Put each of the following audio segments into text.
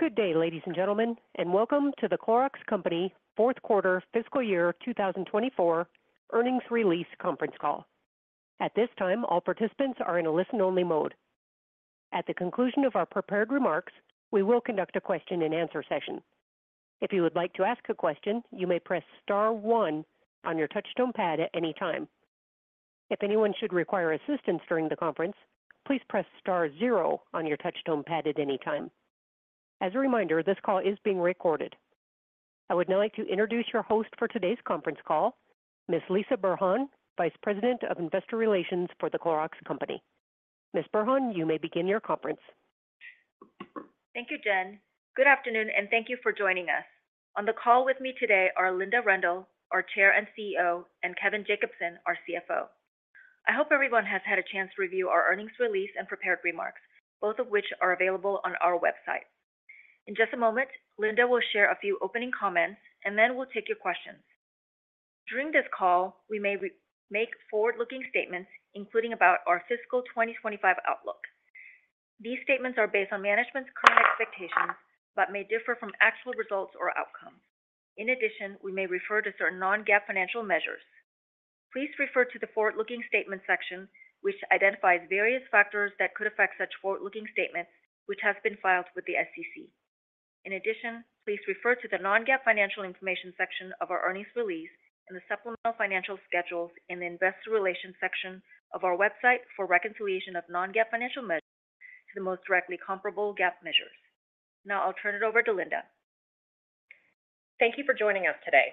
Good day, ladies and gentlemen, and welcome to The Clorox Company fourth quarter fiscal year 2024 earnings release conference call. At this time, all participants are in a listen-only mode. At the conclusion of our prepared remarks, we will conduct a question-and-answer session. If you would like to ask a question, you may press star one on your touchtone pad at any time. If anyone should require assistance during the conference, please press star zero on your touchtone pad at any time. As a reminder, this call is being recorded. I would now like to introduce your host for today's conference call, Ms. Lisah Burhan, Vice President of Investor Relations for The Clorox Company. Ms. Burhan, you may begin your conference. Thank you, Jen. Good afternoon, and thank you for joining us. On the call with me today are Linda Rendle, our Chair and CEO, and Kevin Jacobsen, our CFO. I hope everyone has had a chance to review our earnings release and prepared remarks, both of which are available on our website. In just a moment, Linda will share a few opening comments, and then we'll take your questions. During this call, we may make forward-looking statements, including about our fiscal 2025 outlook. These statements are based on management's current expectations, but may differ from actual results or outcomes. In addition, we may refer to certain non-GAAP financial measures. Please refer to the Forward-Looking Statement section, which identifies various factors that could affect such forward-looking statements, which has been filed with the SEC. In addition, please refer to the non-GAAP Financial Information section of our earnings release and the supplemental financial schedules in the Investor Relations section of our website for reconciliation of non-GAAP financial measures to the most directly comparable GAAP measures. Now I'll turn it over to Linda. Thank you for joining us today.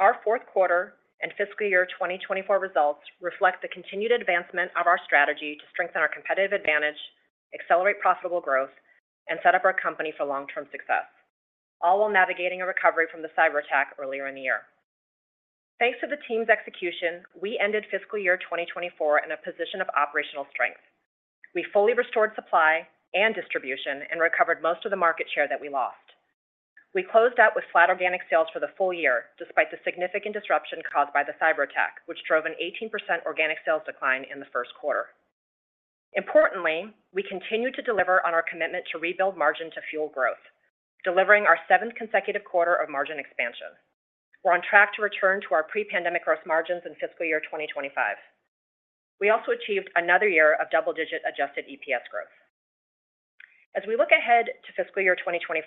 Our fourth quarter and fiscal year 2024 results reflect the continued advancement of our strategy to strengthen our competitive advantage, accelerate profitable growth, and set up our company for long-term success, all while navigating a recovery from the cyberattack earlier in the year. Thanks to the team's execution, we ended fiscal year 2024 in a position of operational strength. We fully restored supply and distribution and recovered most of the market share that we lost. We closed out with flat organic sales for the full year, despite the significant disruption caused by the cyberattack, which drove an 18% organic sales decline in the first quarter. Importantly, we continued to deliver on our commitment to rebuild margin to fuel growth, delivering our seventh consecutive quarter of margin expansion. We're on track to return to our pre-pandemic gross margins in fiscal year 2025. We also achieved another year of double-digit adjusted EPS growth. As we look ahead to fiscal year 2025,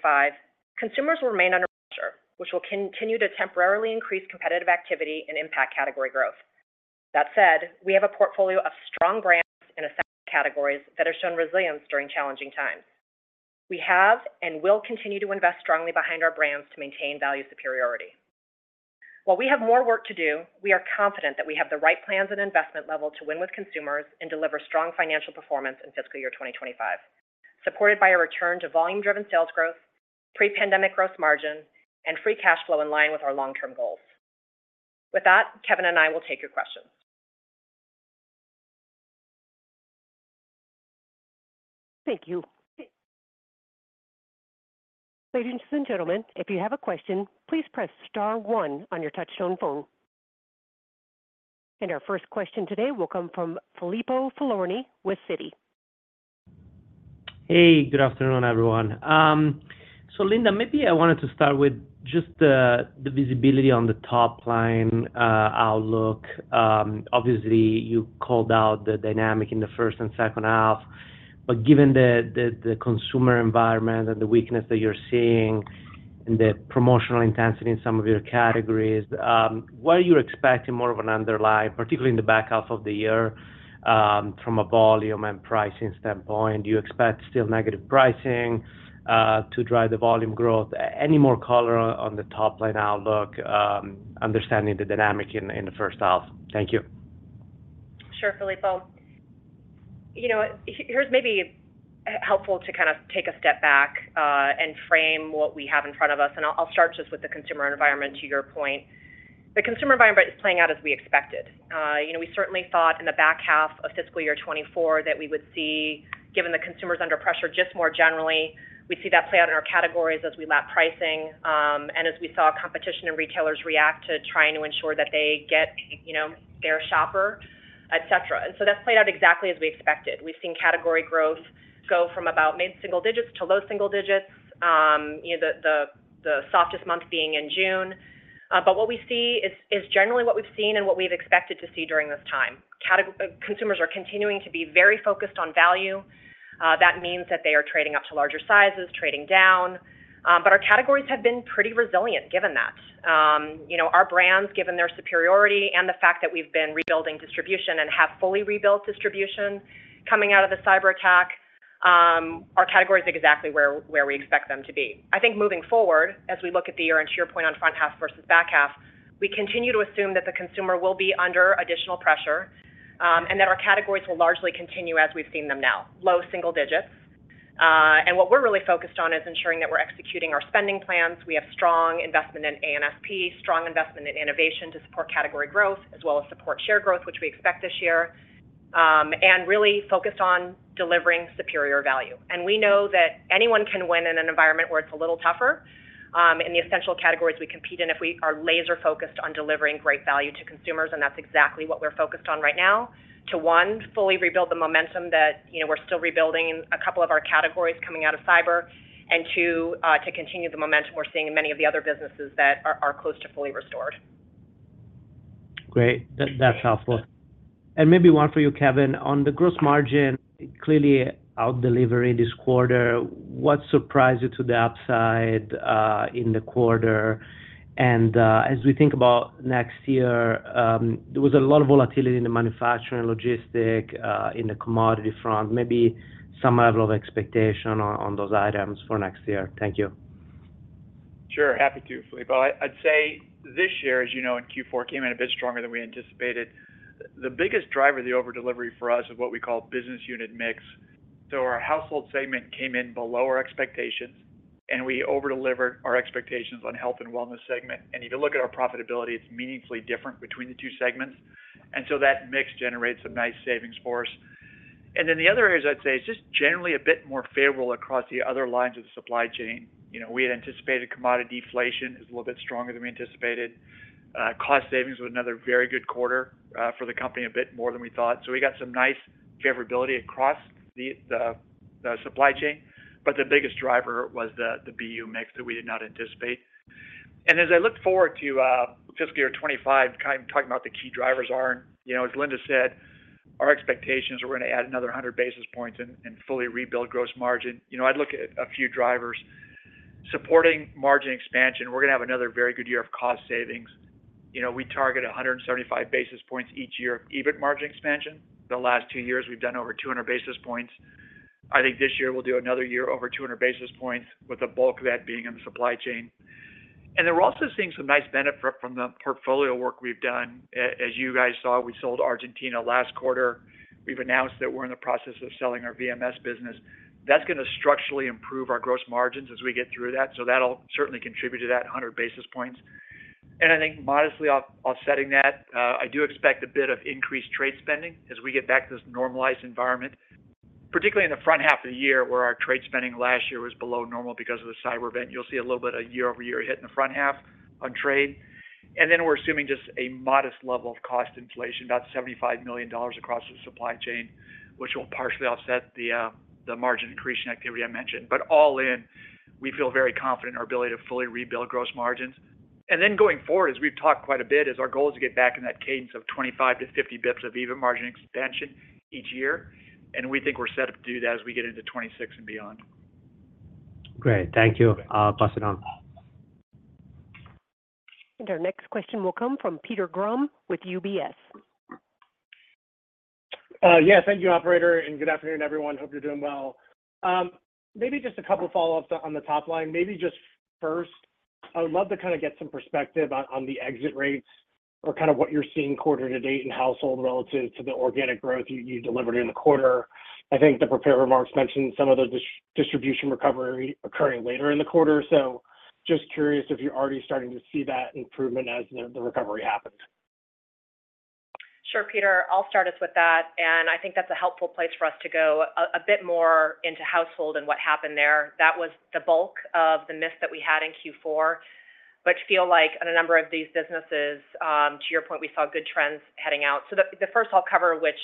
consumers will remain under pressure, which will continue to temporarily increase competitive activity and impact category growth. That said, we have a portfolio of strong brands in categories that have shown resilience during challenging times. We have and will continue to invest strongly behind our brands to maintain value superiority. While we have more work to do, we are confident that we have the right plans and investment level to win with consumers and deliver strong financial performance in fiscal year 2025, supported by a return to volume-driven sales growth, pre-pandemic gross margin, and free cash flow in line with our long-term goals. With that, Kevin and I will take your questions. Thank you. Ladies and gentlemen, if you have a question, please press star one on your touchtone phone. And our first question today will come from Filippo Falorni with Citi. Hey, good afternoon, everyone. So Linda, maybe I wanted to start with just the visibility on the top line outlook. Obviously, you called out the dynamic in the first and second half, but given the consumer environment and the weakness that you're seeing and the promotional intensity in some of your categories, what are you expecting more of an underlying, particularly in the back half of the year, from a volume and pricing standpoint? Do you expect still negative pricing to drive the volume growth? Any more color on the top-line outlook, understanding the dynamic in the first half? Thank you. Sure, Filippo. You know, here's maybe helpful to kind of take a step back, and frame what we have in front of us, and I'll start just with the consumer environment, to your point. The consumer environment is playing out as we expected. You know, we certainly thought in the back half of fiscal year 2024 that we would see, given the consumers under pressure, just more generally, we'd see that play out in our categories as we lap pricing, and as we saw competition and retailers react to trying to ensure that they get, you know, their shopper, et cetera. And so that's played out exactly as we expected. We've seen category growth go from about mid single digits to low single digits, you know, the softest month being in June. But what we see is generally what we've seen and what we've expected to see during this time. Consumers are continuing to be very focused on value. That means that they are trading up to larger sizes, trading down, but our categories have been pretty resilient given that. You know, our brands, given their superiority and the fact that we've been rebuilding distribution and have fully rebuilt distribution coming out of the cyberattack, our categories are exactly where we expect them to be. I think moving forward, as we look at the year, and to your point on front half versus back half, we continue to assume that the consumer will be under additional pressure, and that our categories will largely continue as we've seen them now, low single digits. and what we're really focused on is ensuring that we're executing our spending plans. We have strong investment in A&P, strong investment in innovation to support category growth, as well as support share growth, which we expect this year, and really focused on delivering superior value. And we know that anyone can win in an environment where it's a little tougher.... in the essential categories we compete in, if we are laser focused on delivering great value to consumers, and that's exactly what we're focused on right now, to one, fully rebuild the momentum that, you know, we're still rebuilding a couple of our categories coming out of cyber, and two, to continue the momentum we're seeing in many of the other businesses that are close to fully restored. Great. That, that's helpful. And maybe one for you, Kevin. On the gross margin, clearly, out delivery this quarter, what surprised you to the upside in the quarter? And as we think about next year, there was a lot of volatility in the manufacturing, logistics, in the commodity front, maybe some level of expectation on those items for next year. Thank you. Sure. Happy to, Filippo. I, I'd say this year, as you know, in Q4, came in a bit stronger than we anticipated. The biggest driver of the over delivery for us is what we call business unit mix. So our Household segment came in below our expectations, and we over-delivered our expectations on Health and Wellness segment. And if you look at our profitability, it's meaningfully different between the two segments, and so that mix generates a nice savings for us. And then the other areas, I'd say, it's just generally a bit more favorable across the other lines of the supply chain. You know, we had anticipated commodity deflation is a little bit stronger than we anticipated. Cost savings was another very good quarter for the company, a bit more than we thought. So we got some nice favorability across the supply chain, but the biggest driver was the BU mix that we did not anticipate. And as I look forward to fiscal year 2025, kind of talking about the key drivers are, you know, as Linda said, our expectations are we're gonna add another 100 basis points and fully rebuild gross margin. You know, I'd look at a few drivers. Supporting margin expansion, we're gonna have another very good year of cost savings. You know, we target 175 basis points each year of EBIT margin expansion. The last two years, we've done over 200 basis points. I think this year we'll do another year, over 200 basis points, with the bulk of that being in the supply chain. And then we're also seeing some nice benefit from the portfolio work we've done. As you guys saw, we sold Argentina last quarter. We've announced that we're in the process of selling our VMS business. That's gonna structurally improve our gross margins as we get through that, so that'll certainly contribute to that 100 basis points. And I think modestly offsetting that, I do expect a bit of increased trade spending as we get back to this normalized environment, particularly in the front half of the year, where our trade spending last year was below normal because of the cyber event. You'll see a little bit of year-over-year hit in the front half on trade. And then we're assuming just a modest level of cost inflation, about $75 million across the supply chain, which will partially offset the margin accretion activity I mentioned. But all in, we feel very confident in our ability to fully rebuild gross margins. Then going forward, as we've talked quite a bit, is our goal is to get back in that cadence of 25 to 50 basis points of EBIT margin expansion each year, and we think we're set up to do that as we get into 2026 and beyond. Great. Thank you. I'll pass it on. Our next question will come from Peter Grom with UBS. Yes, thank you, operator, and good afternoon, everyone. Hope you're doing well. Maybe just a couple of follow-ups on the top line. Maybe just first, I would love to kind of get some perspective on the exit rates or kind of what you're seeing quarter to date in Household relative to the organic growth you delivered in the quarter. I think the prepared remarks mentioned some of the distribution recovery occurring later in the quarter. So just curious if you're already starting to see that improvement as the recovery happens. Sure, Peter, I'll start us with that, and I think that's a helpful place for us to go a bit more into Household and what happened there. That was the bulk of the miss that we had in Q4, which feel like on a number of these businesses, to your point, we saw good trends heading out. So the first I'll cover, which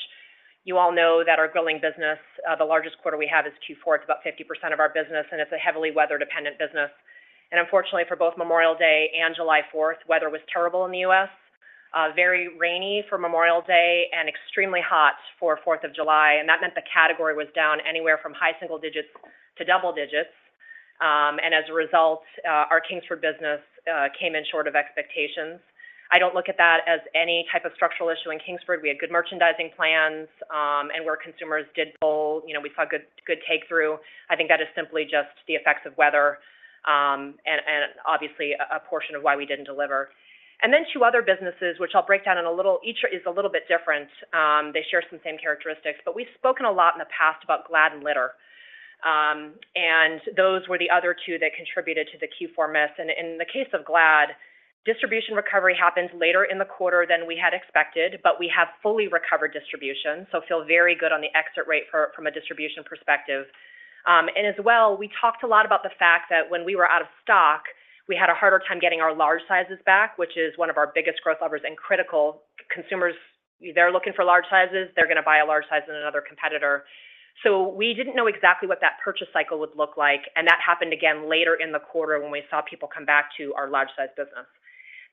you all know, that our grilling business, the largest quarter we have is Q4. It's about 50% of our business, and it's a heavily weather-dependent business. And unfortunately, for both Memorial Day and July Fourth, weather was terrible in the U.S. Very rainy for Memorial Day and extremely hot for Fourth of July, and that meant the category was down anywhere from high single digits to double digits. And as a result, our Kingsford business came in short of expectations. I don't look at that as any type of structural issue in Kingsford. We had good merchandising plans, and where consumers did pull, you know, we saw good, good take-through. I think that is simply just the effects of weather, and obviously a portion of why we didn't deliver. Then two other businesses, which I'll break down in a little... Each is a little bit different. They share some same characteristics, but we've spoken a lot in the past about Glad and litter. And those were the other two that contributed to the Q4 miss. In the case of Glad, distribution recovery happened later in the quarter than we had expected, but we have fully recovered distribution, so feel very good on the exit rate for, from a distribution perspective. And as well, we talked a lot about the fact that when we were out of stock, we had a harder time getting our large sizes back, which is one of our biggest growth levers and critical. Consumers, if they're looking for large sizes, they're gonna buy a large size in another competitor. So we didn't know exactly what that purchase cycle would look like, and that happened again later in the quarter when we saw people come back to our large size business.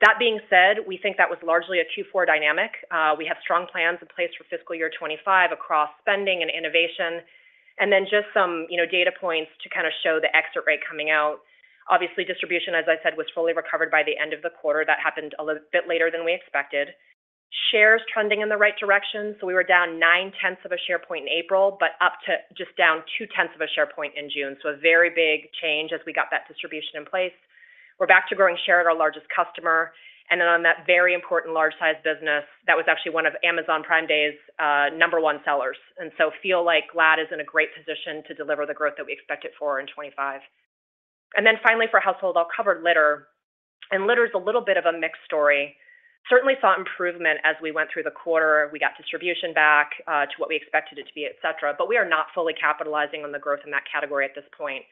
That being said, we think that was largely a Q4 dynamic. We have strong plans in place for fiscal year 2025 across spending and innovation, and then just some, you know, data points to kind of show the exit rate coming out. Obviously, distribution, as I said, was fully recovered by the end of the quarter. That happened a little bit later than we expected. Shares trending in the right direction, so we were down 0.9 share point in April, but up to just down 0.2 share point in June. So a very big change as we got that distribution in place. We're back to growing share at our largest customer, and then on that very important large-size business, that was actually one of Amazon Prime Day's number one sellers, and so feel like Glad is in a great position to deliver the growth that we expect it for in 2025. Then finally, for Household, I'll cover litter, and litter is a little bit of a mixed story. Certainly saw improvement as we went through the quarter. We got distribution back to what we expected it to be, et cetera, but we are not fully capitalizing on the growth in that category at this point.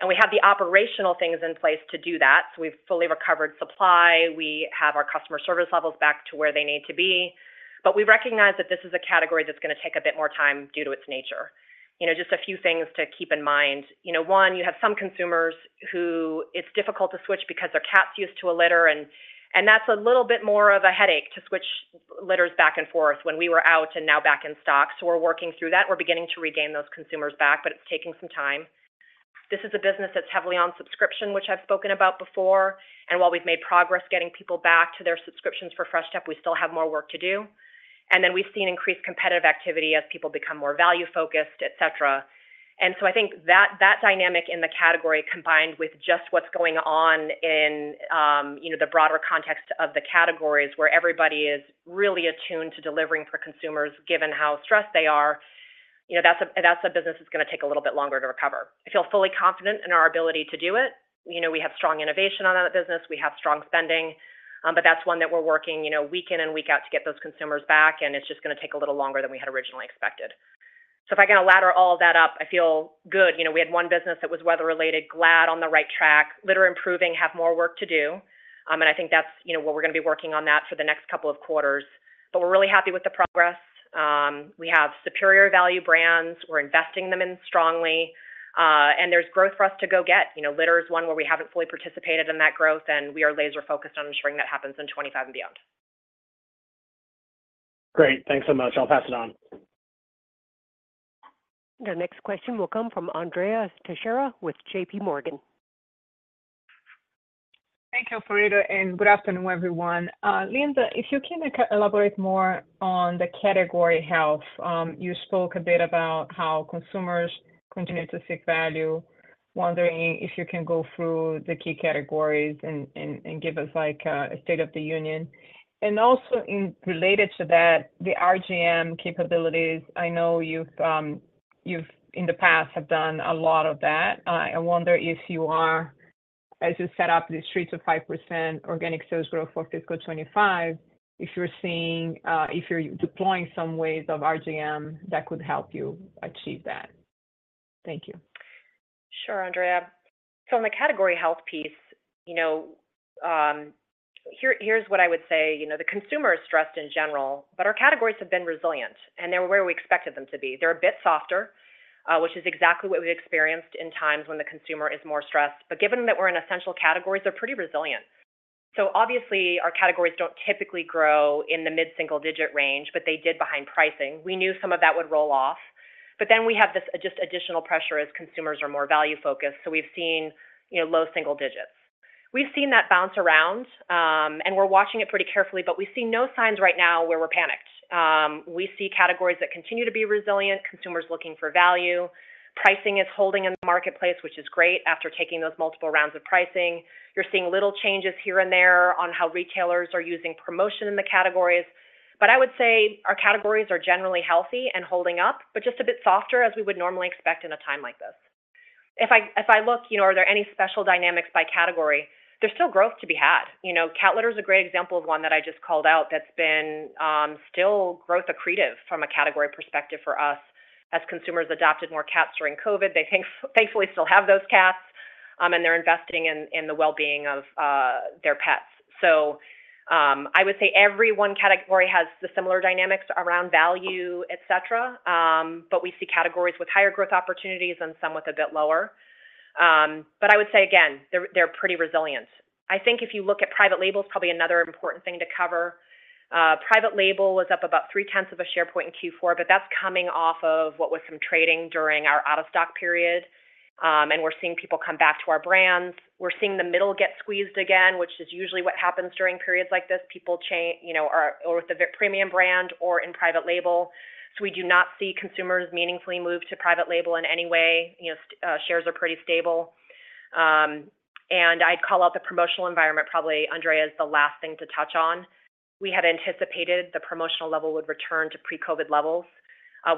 And we have the operational things in place to do that. So we've fully recovered supply. We have our customer service levels back to where they need to be, but we recognize that this is a category that's going to take a bit more time due to its nature. You know, just a few things to keep in mind. You know, one, you have some consumers who it's difficult to switch because their cat's used to a litter, and that's a little bit more of a headache to switch litters back and forth when we were out and now back in stock. So we're working through that. We're beginning to regain those consumers back, but it's taking some time. This is a business that's heavily on subscription, which I've spoken about before, and while we've made progress getting people back to their subscriptions for Fresh Step, we still have more work to do. And then we've seen increased competitive activity as people become more value-focused, et cetera. I think that dynamic in the category, combined with just what's going on in, you know, the broader context of the categories, where everybody is really attuned to delivering for consumers, given how stressed they are, you know, that's a business that's going to take a little bit longer to recover. I feel fully confident in our ability to do it. You know, we have strong innovation on that business. We have strong spending, but that's one that we're working, you know, week in and week out to get those consumers back, and it's just going to take a little longer than we had originally expected. So if I can ladder all of that up, I feel good. You know, we had one business that was weather related, Glad on the right track. Litter improving, have more work to do, and I think that's, you know, where we're going to be working on that for the next couple of quarters. But we're really happy with the progress. We have superior value brands. We're investing them in strongly, and there's growth for us to go get. You know, litter is one where we haven't fully participated in that growth, and we are laser focused on ensuring that happens in 2025 and beyond. Great. Thanks so much. I'll pass it on. The next question will come from Andrea Teixeira with JPMorgan. Thank you, Farida, and good afternoon, everyone. Linda, if you can elaborate more on the category health. You spoke a bit about how consumers continue to seek value, wondering if you can go through the key categories and give us, like, a state of the union. And also in related to that, the RGM capabilities, I know you've, you've, in the past, have done a lot of that. I wonder if you are, as you set up the stretch of 5% organic sales growth for fiscal 2025, if you're seeing, if you're deploying some ways of RGM that could help you achieve that. Thank you. Sure, Andrea. So in the category health piece, you know, here, here's what I would say. You know, the consumer is stressed in general, but our categories have been resilient, and they're where we expected them to be. They're a bit softer, which is exactly what we've experienced in times when the consumer is more stressed. But given that we're in essential categories, they're pretty resilient. So obviously, our categories don't typically grow in the mid-single digit range, but they did behind pricing. We knew some of that would roll off, but then we have this just additional pressure as consumers are more value focused. So we've seen, you know, low single digits. We've seen that bounce around, and we're watching it pretty carefully, but we see no signs right now where we're panicked. We see categories that continue to be resilient, consumers looking for value. Pricing is holding in the marketplace, which is great after taking those multiple rounds of pricing. You're seeing little changes here and there on how retailers are using promotion in the categories. But I would say our categories are generally healthy and holding up, but just a bit softer as we would normally expect in a time like this. If I look, you know, are there any special dynamics by category? There's still growth to be had. You know, cat litter is a great example of one that I just called out that's been still growth accretive from a category perspective for us. As consumers adopted more cats during COVID, they thankfully still have those cats, and they're investing in the well-being of their pets. So, I would say every one category has the similar dynamics around value, et cetera, but we see categories with higher growth opportunities and some with a bit lower. But I would say again, they're, they're pretty resilient. I think if you look at private labels, probably another important thing to cover. Private label was up about 0.3 of a share point in Q4, but that's coming off of what was some trading during our out-of-stock period, and we're seeing people come back to our brands. We're seeing the middle get squeezed again, which is usually what happens during periods like this. People change, you know, are with a premium brand or in private label. So we do not see consumers meaningfully move to private label in any way. You know, shares are pretty stable. And I'd call out the promotional environment, probably, Andrea, as the last thing to touch on. We had anticipated the promotional level would return to pre-COVID levels.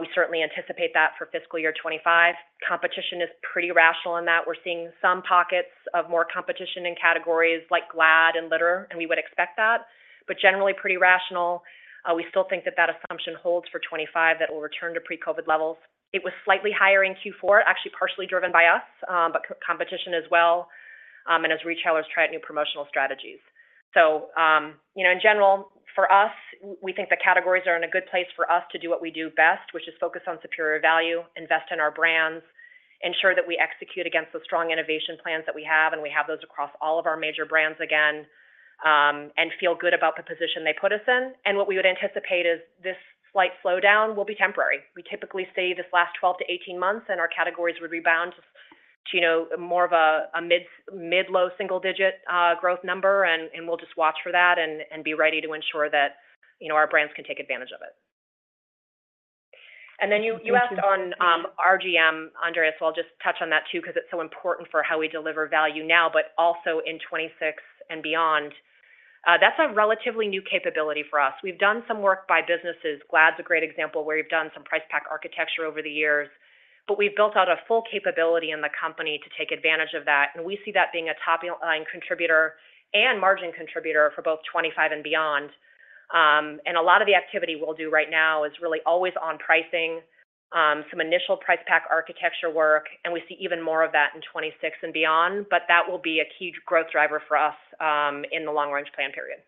We certainly anticipate that for fiscal year 2025. Competition is pretty rational in that we're seeing some pockets of more competition in categories like Glad and litter, and we would expect that, but generally pretty rational. We still think that that assumption holds for 2025, that it will return to pre-COVID levels. It was slightly higher in Q4, actually partially driven by us, but competition as well, and as retailers try out new promotional strategies. So, you know, in general, for us, we think the categories are in a good place for us to do what we do best, which is focus on superior value, invest in our brands, ensure that we execute against the strong innovation plans that we have, and we have those across all of our major brands again, and feel good about the position they put us in. And what we would anticipate is this slight slowdown will be temporary. We typically see this last 12-18 months, and our categories would rebound to, you know, more of a mid- to mid-low single-digit growth number, and we'll just watch for that and be ready to ensure that, you know, our brands can take advantage of it. Then you, you asked on RGM, Andrea, so I'll just touch on that too, because it's so important for how we deliver value now, but also in 2026 and beyond. That's a relatively new capability for us. We've done some work by businesses. Glad's a great example, where we've done some price pack architecture over the years, but we've built out a full capability in the company to take advantage of that, and we see that being a top-line line contributor and margin contributor for both 2025 and beyond. And a lot of the activity we'll do right now is really always on pricing, some initial price pack architecture work, and we see even more of that in 2026 and beyond. But that will be a key growth driver for us in the long-range plan period.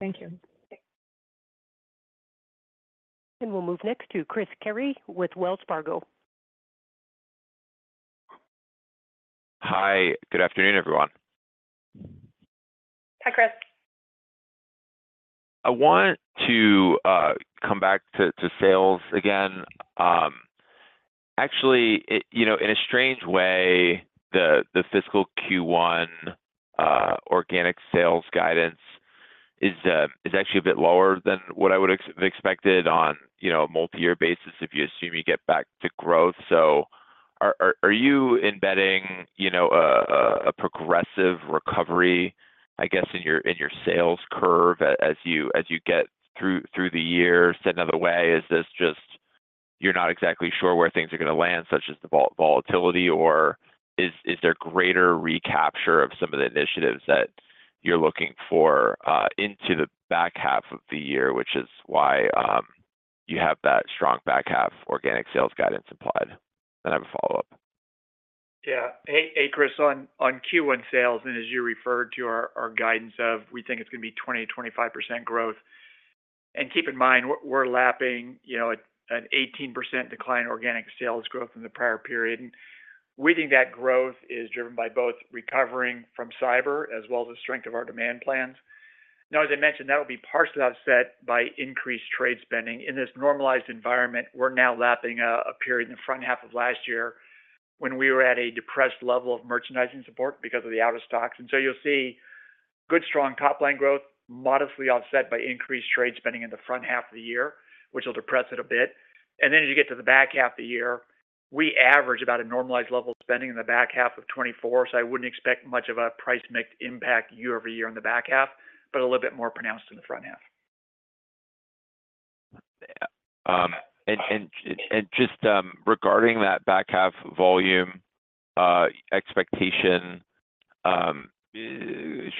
Thank you. We'll move next to Chris Carey with Wells Fargo. Hi. Good afternoon, everyone. Hi, Chris. I want to come back to sales again. Actually, I, you know, in a strange way, the fiscal Q1 organic sales guidance is actually a bit lower than what I would have expected on, you know, a multi-year basis if you assume you get back to growth. So are you embedding, you know, a progressive recovery, I guess, in your sales curve as you get through the year? Said another way, is this just you're not exactly sure where things are gonna land, such as the volatility, or is there greater recapture of some of the initiatives that you're looking for into the back half of the year, which is why you have that strong back half organic sales guidance applied? And I have a follow-up. Yeah. Hey, hey, Chris, on Q1 sales, and as you referred to our guidance of, we think it's gonna be 20%-25% growth. And keep in mind, we're lapping, you know, an 18% decline in organic sales growth in the prior period. And we think that growth is driven by both recovering from cyber as well as the strength of our demand plans. Now, as I mentioned, that will be partially offset by increased trade spending. In this normalized environment, we're now lapping a period in the front half of last year when we were at a depressed level of merchandising support because of the out of stocks. And so you'll see good, strong top line growth, modestly offset by increased trade spending in the front half of the year, which will depress it a bit. And then as you get to the back half of the year, we average about a normalized level of spending in the back half of 2024, so I wouldn't expect much of a price mix impact year-over-year in the back half, but a little bit more pronounced in the front half. Yeah. And just regarding that back half volume expectation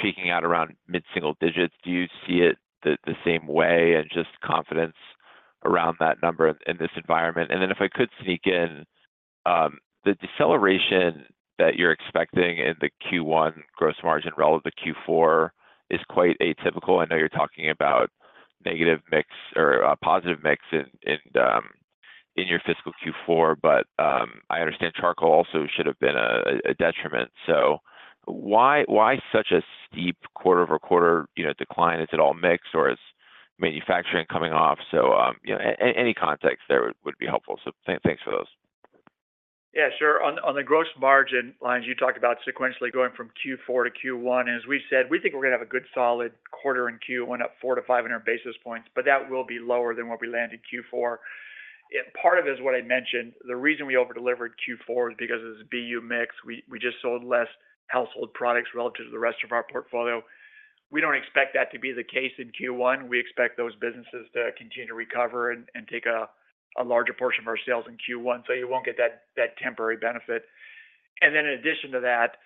shaking out around mid-single digits, do you see it the same way and just confidence around that number in this environment? And then if I could sneak in, the deceleration that you're expecting in the Q1 gross margin relative to Q4 is quite atypical. I know you're talking about negative mix or a positive mix in your fiscal Q4, but I understand charcoal also should have been a detriment. So why such a steep quarter-over-quarter, you know, decline? Is it all mix, or is manufacturing coming off? So you know, any context there would be helpful. So thanks for those. Yeah, sure. On, on the gross margin lines, you talked about sequentially going from Q4 to Q1, and as we said, we think we're gonna have a good solid quarter in Q1, up 400-500 basis points, but that will be lower than what we landed Q4. And part of it is what I mentioned, the reason we over-delivered Q4 is because of the BU mix. We just sold less Household products relative to the rest of our portfolio. We don't expect that to be the case in Q1. We expect those businesses to continue to recover and take a larger portion of our sales in Q1, so you won't get that temporary benefit. And then in addition to that,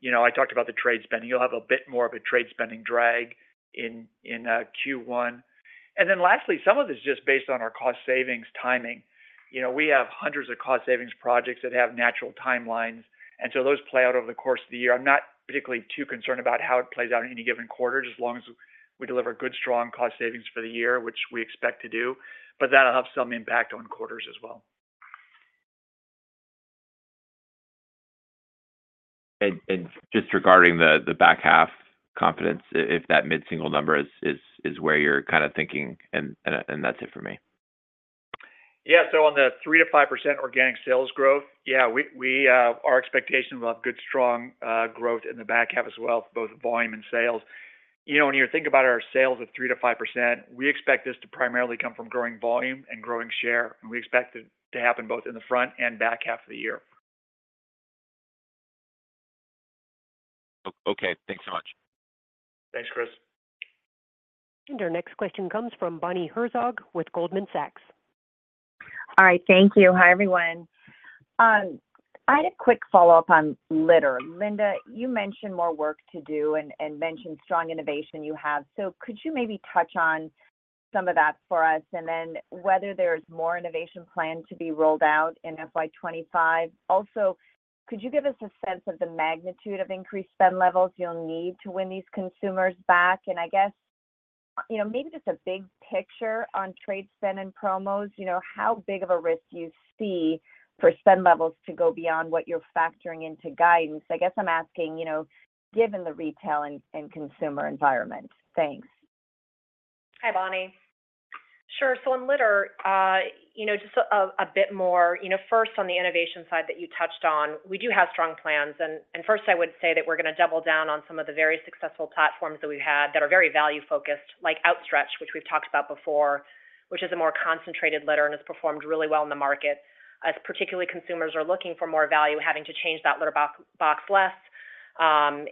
you know, I talked about the trade spending. You'll have a bit more of a trade spending drag in Q1. Then lastly, some of it's just based on our cost savings timing. You know, we have hundreds of cost savings projects that have natural timelines, and so those play out over the course of the year. I'm not particularly too concerned about how it plays out in any given quarter, just as long as we deliver good, strong cost savings for the year, which we expect to do, but that'll have some impact on quarters as well. And just regarding the back half confidence, if that mid-single number is where you're kinda thinking, that's it for me. Yeah. So on the 3%-5% organic sales growth, yeah, we, we, our expectations have good, strong growth in the back half as well, both volume and sales. You know, when you think about our sales of 3%-5%, we expect this to primarily come from growing volume and growing share, and we expect it to happen both in the front and back half of the year. Okay, thanks so much. Thanks, Chris. Our next question comes from Bonnie Herzog with Goldman Sachs. All right, thank you. Hi, everyone. I had a quick follow-up on litter. Linda, you mentioned more work to do and mentioned strong innovation you have. So could you maybe touch on some of that for us, and then whether there is more innovation plan to be rolled out in FY 25? Also, could you give us a sense of the magnitude of increased spend levels you'll need to win these consumers back? And I guess, you know, maybe just a big picture on trade spend and promos, you know, how big of a risk do you see for spend levels to go beyond what you're factoring into guidance? I guess I'm asking, you know, given the retail and consumer environment. Thanks. Hi, Bonnie. Sure. So in litter, you know, just a bit more, you know, first on the innovation side that you touched on, we do have strong plans. And first, I would say that we're gonna double down on some of the very successful platforms that we've had that are very value-focused, like Outstretch, which we've talked about before, which is a more concentrated litter and has performed really well in the market. As particularly consumers are looking for more value, having to change that litter box less,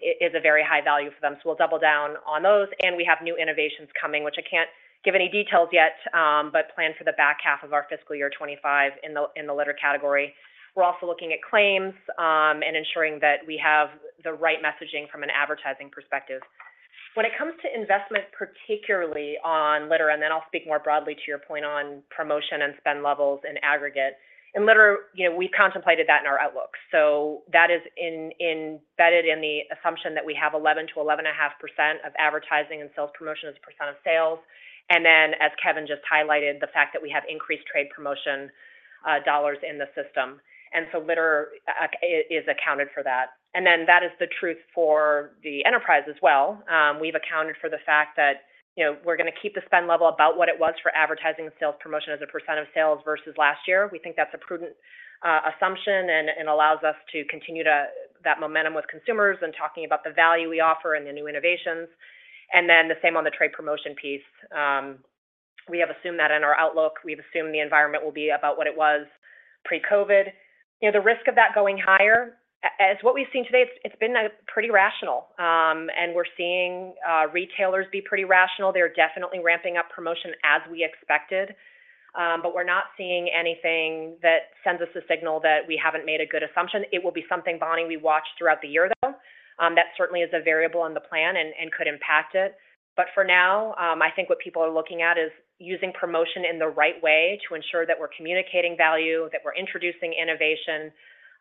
it is a very high value for them, so we'll double down on those, and we have new innovations coming, which I can't give any details yet, but plan for the back half of our fiscal year 2025 in the litter category. We're also looking at claims, and ensuring that we have the right messaging from an advertising perspective. When it comes to investment, particularly on litter, and then I'll speak more broadly to your point on promotion and spend levels in aggregate. In litter, you know, we contemplated that in our outlook. So that is embedded in the assumption that we have 11%-11.5% of advertising and sales promotion as a percent of sales. And then, as Kevin just highlighted, the fact that we have increased trade promotion dollars in the system. And so litter is accounted for that. And then that is the truth for the enterprise as well. We've accounted for the fact that, you know, we're gonna keep the spend level about what it was for advertising and sales promotion as a percent of sales versus last year. We think that's a prudent assumption and allows us to continue to that momentum with consumers and talking about the value we offer and the new innovations, and then the same on the trade promotion piece. We have assumed that in our outlook. We've assumed the environment will be about what it was pre-COVID. You know, the risk of that going higher, as what we've seen today, it's been pretty rational. And we're seeing retailers be pretty rational. They're definitely ramping up promotion as we expected, but we're not seeing anything that sends us a signal that we haven't made a good assumption. It will be something, Bonnie, we watch throughout the year, though. That certainly is a variable in the plan and could impact it. But for now, I think what people are looking at is using promotion in the right way to ensure that we're communicating value, that we're introducing innovation,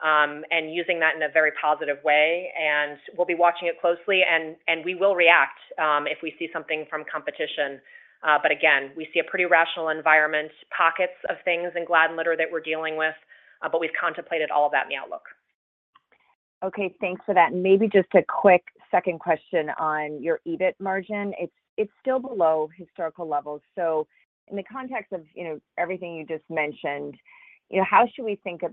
and using that in a very positive way, and we'll be watching it closely, and we will react if we see something from competition. But again, we see a pretty rational environment, pockets of things in Glad and litter that we're dealing with, but we've contemplated all of that in the outlook. Okay, thanks for that. Maybe just a quick second question on your EBIT margin. It's still below historical levels. So in the context of, you know, everything you just mentioned, you know, how should we think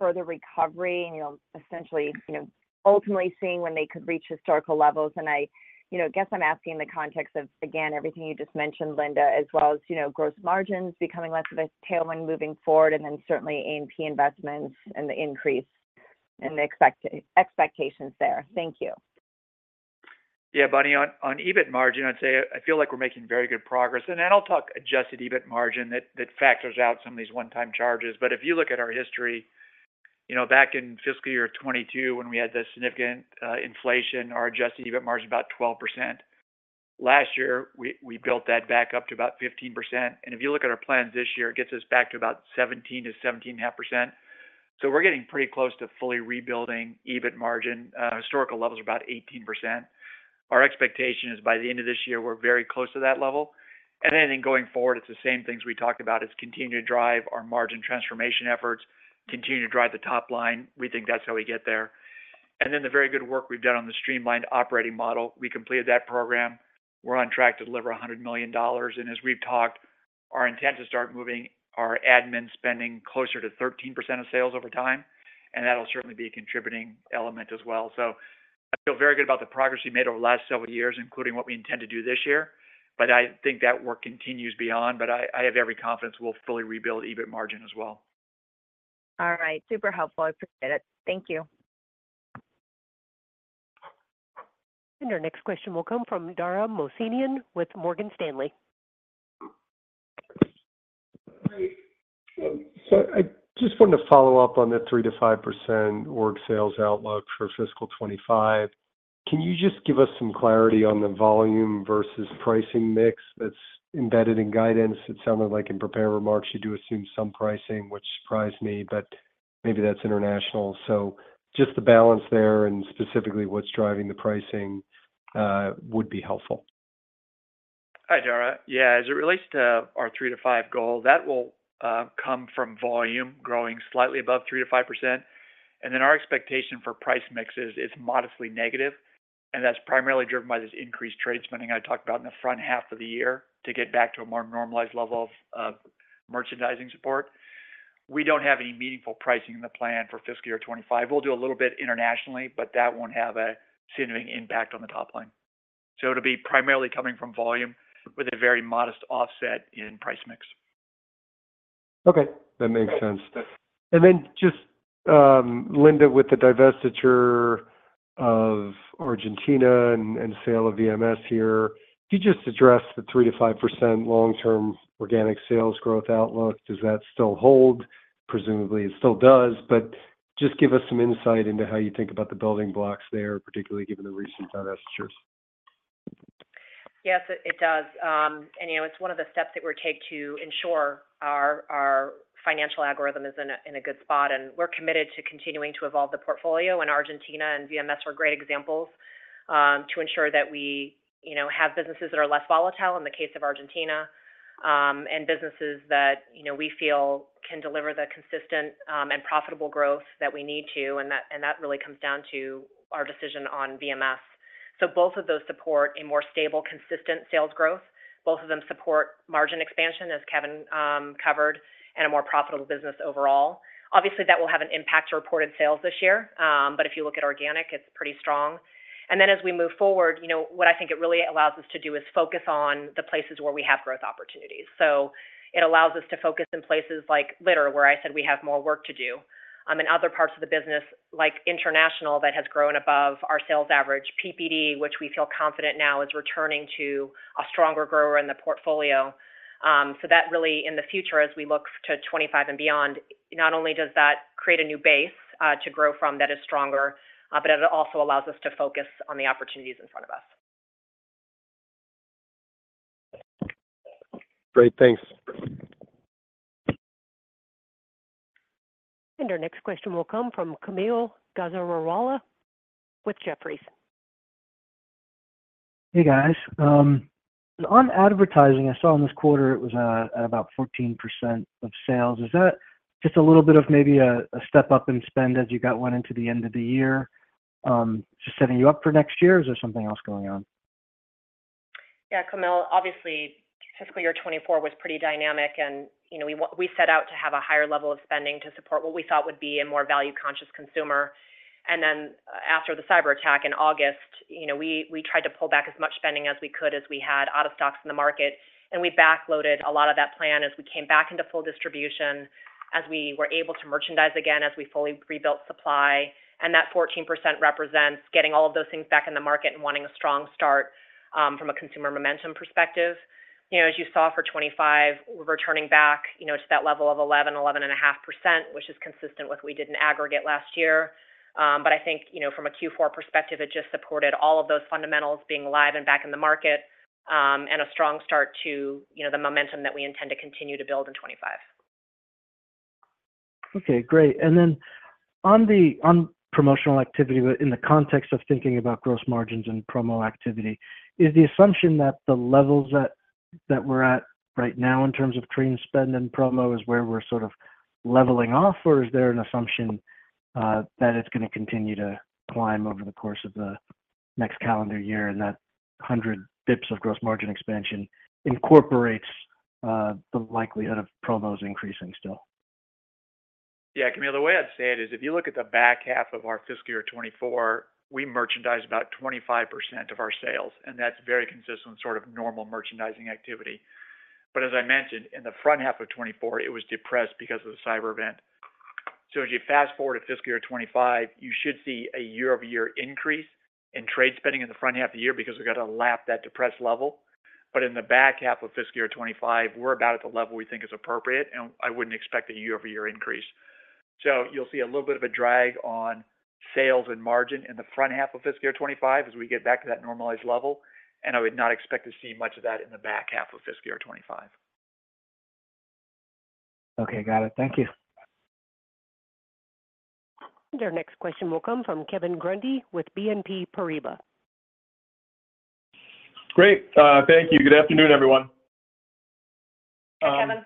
about further recovery and, you know, essentially, you know, ultimately seeing when they could reach historical levels? And I, you know, guess I'm asking in the context of, again, everything you just mentioned, Linda, as well as, you know, gross margins becoming less of a tailwind moving forward, and then certainly A&P investments and the increase and the expectations there. Thank you. Yeah, Bonnie, on, on EBIT margin, I'd say I feel like we're making very good progress, and then I'll talk adjusted EBIT margin that, that factors out some of these one-time charges. But if you look at our history, you know, back in fiscal year 2022, when we had the significant inflation, our adjusted EBIT margin was about 12%. Last year, we, we built that back up to about 15%, and if you look at our plans this year, it gets us back to about 17%-17.5%. So we're getting pretty close to fully rebuilding EBIT margin. Historical levels are about 18%. Our expectation is by the end of this year, we're very close to that level. And then in going forward, it's the same things we talked about as continue to drive our margin transformation efforts, continue to drive the top line. We think that's how we get there. And then the very good work we've done on the streamlined operating model. We completed that program. We're on track to deliver $100 million, and as we've talked, our intent to start moving our admin spending closer to 13% of sales over time, and that'll certainly be a contributing element as well. So I feel very good about the progress we made over the last several years, including what we intend to do this year. But I think that work continues beyond, but I, I have every confidence we'll fully rebuild EBIT margin as well. All right. Super helpful. I appreciate it. Thank you. Our next question will come from Dara Mohsenian with Morgan Stanley. Hi. I just wanted to follow up on the 3%-5% org sales outlook for fiscal 2025. Can you just give us some clarity on the volume versus pricing mix that's embedded in guidance? It sounded like in prepared remarks, you do assume some pricing, which surprised me, but maybe that's International. So just the balance there and specifically what's driving the pricing would be helpful. Hi, Dara. Yeah, as it relates to our 3-5 goal, that will come from volume growing slightly above 3%-5%. And then our expectation for price mix is modestly negative, and that's primarily driven by this increased trade spending I talked about in the front half of the year to get back to a more normalized level of merchandising support. We don't have any meaningful pricing in the plan for fiscal year 2025. We'll do a little bit Internationally, but that won't have a significant impact on the top line. So it'll be primarily coming from volume with a very modest offset in price mix. Okay, that makes sense. And then just, Linda, with the divestiture of Argentina and sale of VMS here, you just addressed the 3%-5% long-term organic sales growth outlook. Does that still hold? Presumably, it still does, but just give us some insight into how you think about the building blocks there, particularly given the recent divestitures. Yes, it does. And, you know, it's one of the steps that we take to ensure our financial algorithm is in a good spot, and we're committed to continuing to evolve the portfolio, and Argentina and VMS were great examples, to ensure that we, you know, have businesses that are less volatile in the case of Argentina, and businesses that, you know, we feel can deliver the consistent and profitable growth that we need to, and that really comes down to our decision on VMS... So both of those support a more stable, consistent sales growth. Both of them support margin expansion, as Kevin covered, and a more profitable business overall. Obviously, that will have an impact to reported sales this year, but if you look at organic, it's pretty strong. And then as we move forward, you know, what I think it really allows us to do is focus on the places where we have growth opportunities. So it allows us to focus in places like litter, where I said we have more work to do. In other parts of the business, like International, that has grown above our sales average. PPD, which we feel confident now is returning to a stronger grower in the portfolio. So that really, in the future, as we look to 25 and beyond, not only does that create a new base to grow from that is stronger, but it also allows us to focus on the opportunities in front of us. Great, thanks. Our next question will come from Kaumil Gajrawala with Jefferies. Hey, guys. On advertising, I saw in this quarter it was at about 14% of sales. Is that just a little bit of maybe a step up in spend as you got went into the end of the year, just setting you up for next year, or is there something else going on? Yeah, Kaumil, obviously, fiscal year 2024 was pretty dynamic and, you know, we set out to have a higher level of spending to support what we thought would be a more value conscious consumer. And then after the cyber attack in August, you know, we tried to pull back as much spending as we could, as we had out of stocks in the market, and we backloaded a lot of that plan as we came back into full distribution, as we were able to merchandise again, as we fully rebuilt supply. And that 14% represents getting all of those things back in the market and wanting a strong start from a consumer momentum perspective. You know, as you saw for 2025, we're returning back, you know, to that level of 11-11.5%, which is consistent with what we did in aggregate last year. But I think, you know, from a Q4 perspective, it just supported all of those fundamentals being alive and back in the market, and a strong start to, you know, the momentum that we intend to continue to build in 2025. Okay, great. And then on promotional activity, but in the context of thinking about gross margins and promo activity, is the assumption that the levels that we're at right now in terms of trade spend and promo, is where we're sort of leveling off? Or is there an assumption that it's gonna continue to climb over the course of the next calendar year, and that 100 basis points of gross margin expansion incorporates the likelihood of promos increasing still? Yeah, Kaumil, the way I'd say it is, if you look at the back half of our fiscal year 2024, we merchandise about 25% of our sales, and that's very consistent, sort of normal merchandising activity. But as I mentioned, in the front half of 2024, it was depressed because of the cyber event. So as you fast forward to fiscal year 2025, you should see a year-over-year increase in trade spending in the front half of the year because we got to lap that depressed level. But in the back half of fiscal year 2025, we're about at the level we think is appropriate, and I wouldn't expect a year-over-year increase. You'll see a little bit of a drag on sales and margin in the front half of fiscal year 2025 as we get back to that normalized level, and I would not expect to see much of that in the back half of fiscal year 2025. Okay, got it. Thank you. Your next question will come from Kevin Grundy with BNP Paribas. Great. Thank you. Good afternoon, everyone. Hi, Kevin.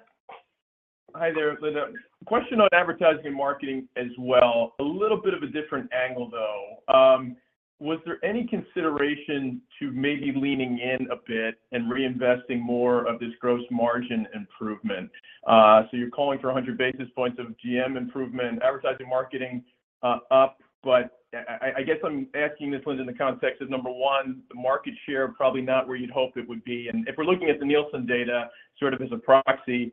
Hi there, Linda. Question on advertising and marketing as well. A little bit of a different angle, though. Was there any consideration to maybe leaning in a bit and reinvesting more of this gross margin improvement? So you're calling for 100 basis points of GM improvement, advertising, marketing, up. But I guess I'm asking this one in the context of, number one, the market share, probably not where you'd hope it would be. And if we're looking at the Nielsen data sort of as a proxy,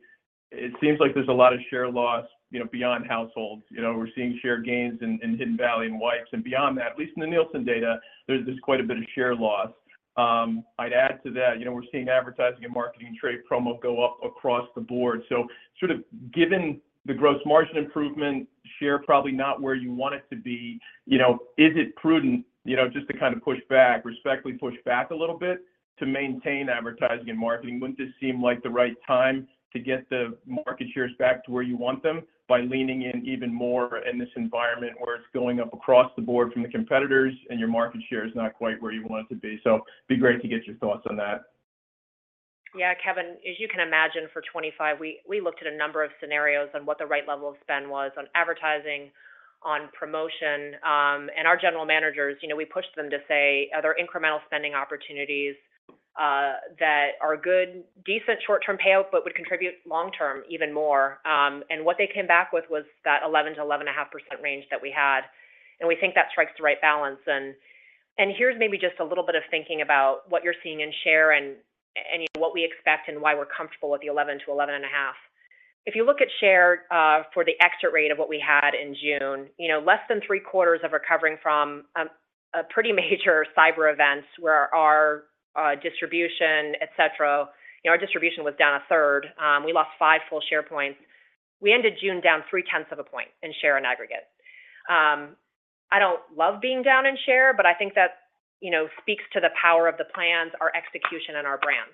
it seems like there's a lot of share loss, you know, beyond Households. You know, we're seeing share gains in Hidden Valley and wipes, and beyond that, at least in the Nielsen data, there's quite a bit of share loss. I'd add to that, you know, we're seeing advertising and marketing trade promo go up across the board. So sort of given the gross margin improvement share, probably not where you want it to be, you know, is it prudent, you know, just to kind of push back, respectfully push back a little bit, to maintain advertising and marketing? Wouldn't this seem like the right time to get the market shares back to where you want them by leaning in even more in this environment where it's going up across the board from the competitors and your market share is not quite where you want it to be? So it'd be great to get your thoughts on that. Yeah, Kevin, as you can imagine, for 2025, we looked at a number of scenarios on what the right level of spend was on advertising, on promotion, and our general managers, you know, we pushed them to say, are there incremental spending opportunities that are good, decent short-term payout, but would contribute long-term even more? And what they came back with was that 11%-11.5% range that we had, and we think that strikes the right balance. And here's maybe just a little bit of thinking about what you're seeing in share and what we expect and why we're comfortable with the 11%-11.5%. If you look at share for the exit rate of what we had in June, you know, less than three-quarters of recovering from a pretty major cyber events where our distribution, et cetera. You know, our distribution was down a third. We lost 5 full share points. We ended June down 0.3 of a point in share and aggregate. I don't love being down in share, but I think that, you know, speaks to the power of the plans, our execution, and our brands.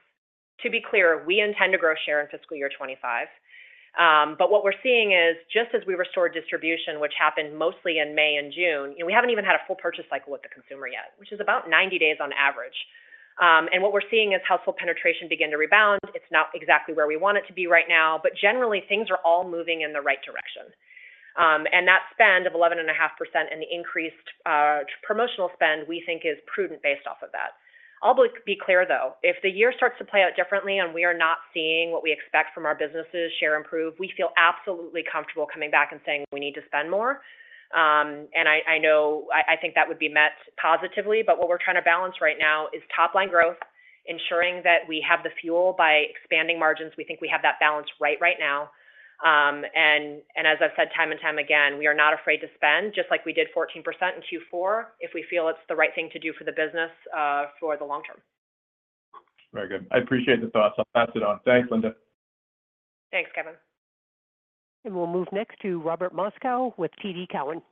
To be clear, we intend to grow share in fiscal year 2025. But what we're seeing is just as we restore distribution, which happened mostly in May and June, and we haven't even had a full purchase cycle with the consumer yet, which is about 90 days on average. And what we're seeing is Household penetration begin to rebound. It's not exactly where we want it to be right now, but generally, things are all moving in the right direction. ... and that spend of 11.5% and the increased promotional spend, we think is prudent based off of that. I'll be clear, though, if the year starts to play out differently and we are not seeing what we expect from our businesses share improve, we feel absolutely comfortable coming back and saying, "We need to spend more." And I know, I think that would be met positively, but what we're trying to balance right now is top line growth, ensuring that we have the fuel by expanding margins. We think we have that balance right now. And as I've said, time and time again, we are not afraid to spend just like we did 14% in Q4, if we feel it's the right thing to do for the business, for the long term. Very good. I appreciate the thoughts. I'll pass it on. Thanks, Linda. Thanks, Kevin. We'll move next to Robert Moskow with TD Cowen.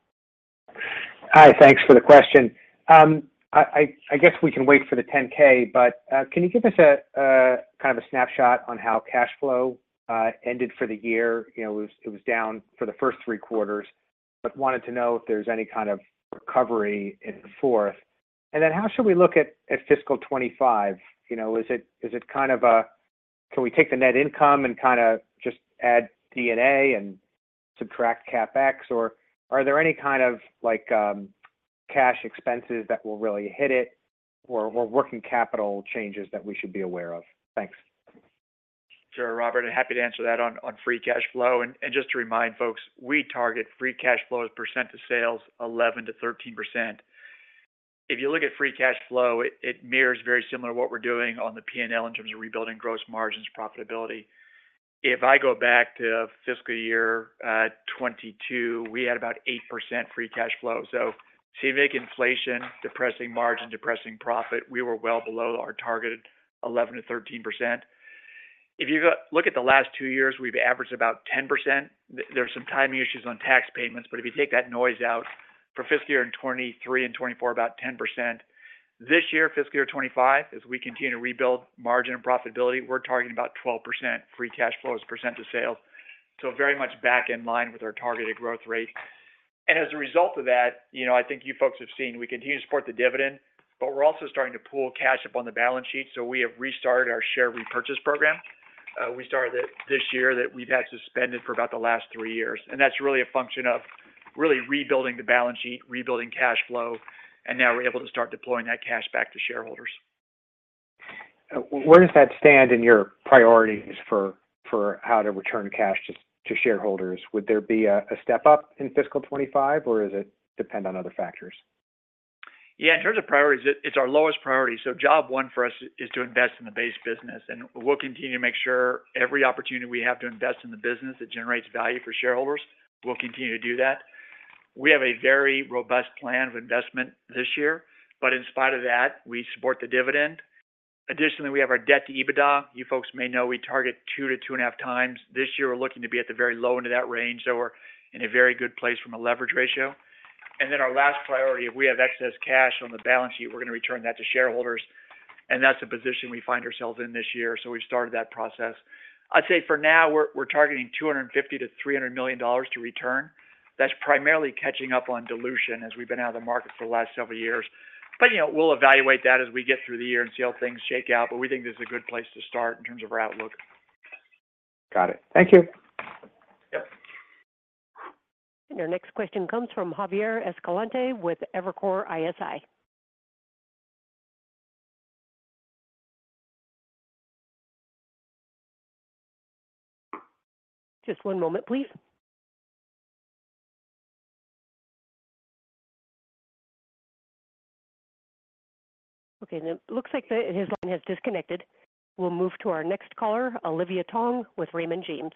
Hi, thanks for the question. I guess we can wait for the 10-K, but can you give us a kind of a snapshot on how cash flow ended for the year? You know, it was down for the first three quarters, but wanted to know if there's any kind of recovery in the fourth. And then, how should we look at fiscal 2025? You know, is it kind of a? Can we take the net income and kinda just add D&A and subtract CapEx, or are there any kind of like cash expenses that will really hit it, or working capital changes that we should be aware of? Thanks. Sure, Robert, I'm happy to answer that on free cash flow. And just to remind folks, we target free cash flow as a percent to sales, 11%-13%. If you look at free cash flow, it mirrors very similar to what we're doing on the P&L in terms of rebuilding gross margins profitability. If I go back to fiscal year 2022, we had about 8% free cash flow. So you take inflation, depressing margin, depressing profit, we were well below our targeted 11%-13%. If you look at the last two years, we've averaged about 10%. There's some timing issues on tax payments, but if you take that noise out, for fiscal year in 2023 and 2024, about 10%. This year, fiscal year 2025, as we continue to rebuild margin and profitability, we're targeting about 12% free cash flow as a percent of sales. So very much back in line with our targeted growth rate. As a result of that, you know, I think you folks have seen, we continue to support the dividend, but we're also starting to pull cash up on the balance sheet, so we have restarted our share repurchase program. We started it this year that we've had suspended for about the last 3 years, and that's really a function of really rebuilding the balance sheet, rebuilding cash flow, and now we're able to start deploying that cash back to shareholders. Where does that stand in your priorities for how to return cash to shareholders? Would there be a step up in fiscal 2025, or does it depend on other factors? Yeah, in terms of priorities, it's our lowest priority. So job one for us is to invest in the base business, and we'll continue to make sure every opportunity we have to invest in the business that generates value for shareholders, we'll continue to do that. We have a very robust plan of investment this year, but in spite of that, we support the dividend. Additionally, we have our debt to EBITDA. You folks may know we target 2-2.5 times. This year, we're looking to be at the very low end of that range, so we're in a very good place from a leverage ratio. And then our last priority, if we have excess cash on the balance sheet, we're gonna return that to shareholders, and that's the position we find ourselves in this year. So we've started that process. I'd say for now, we're targeting $250 million-$300 million to return. That's primarily catching up on dilution as we've been out of the market for the last several years. But, you know, we'll evaluate that as we get through the year and see how things shake out, but we think this is a good place to start in terms of our outlook. Got it. Thank you. Yep. Our next question comes from Javier Escalante with Evercore ISI. Just one moment, please. Okay, it looks like his line has disconnected. We'll move to our next caller, Olivia Tong with Raymond James.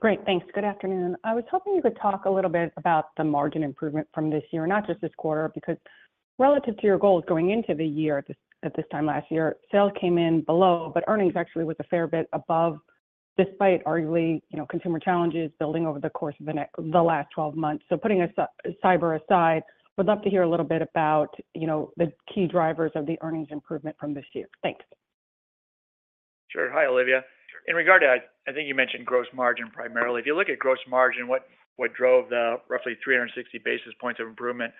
Great. Thanks. Good afternoon. I was hoping you could talk a little bit about the margin improvement from this year, not just this quarter, because relative to your goals going into the year at this, at this time last year, sales came in below, but earnings actually was a fair bit above, despite arguably, you know, consumer challenges building over the course of the next--the last twelve months. So putting us--cyber aside, would love to hear a little bit about, you know, the key drivers of the earnings improvement from this year. Thanks. Sure. Hi, Olivia. In regard to, I think you mentioned gross margin, primarily. If you look at gross margin, what, what drove the roughly 360 basis points of improvement?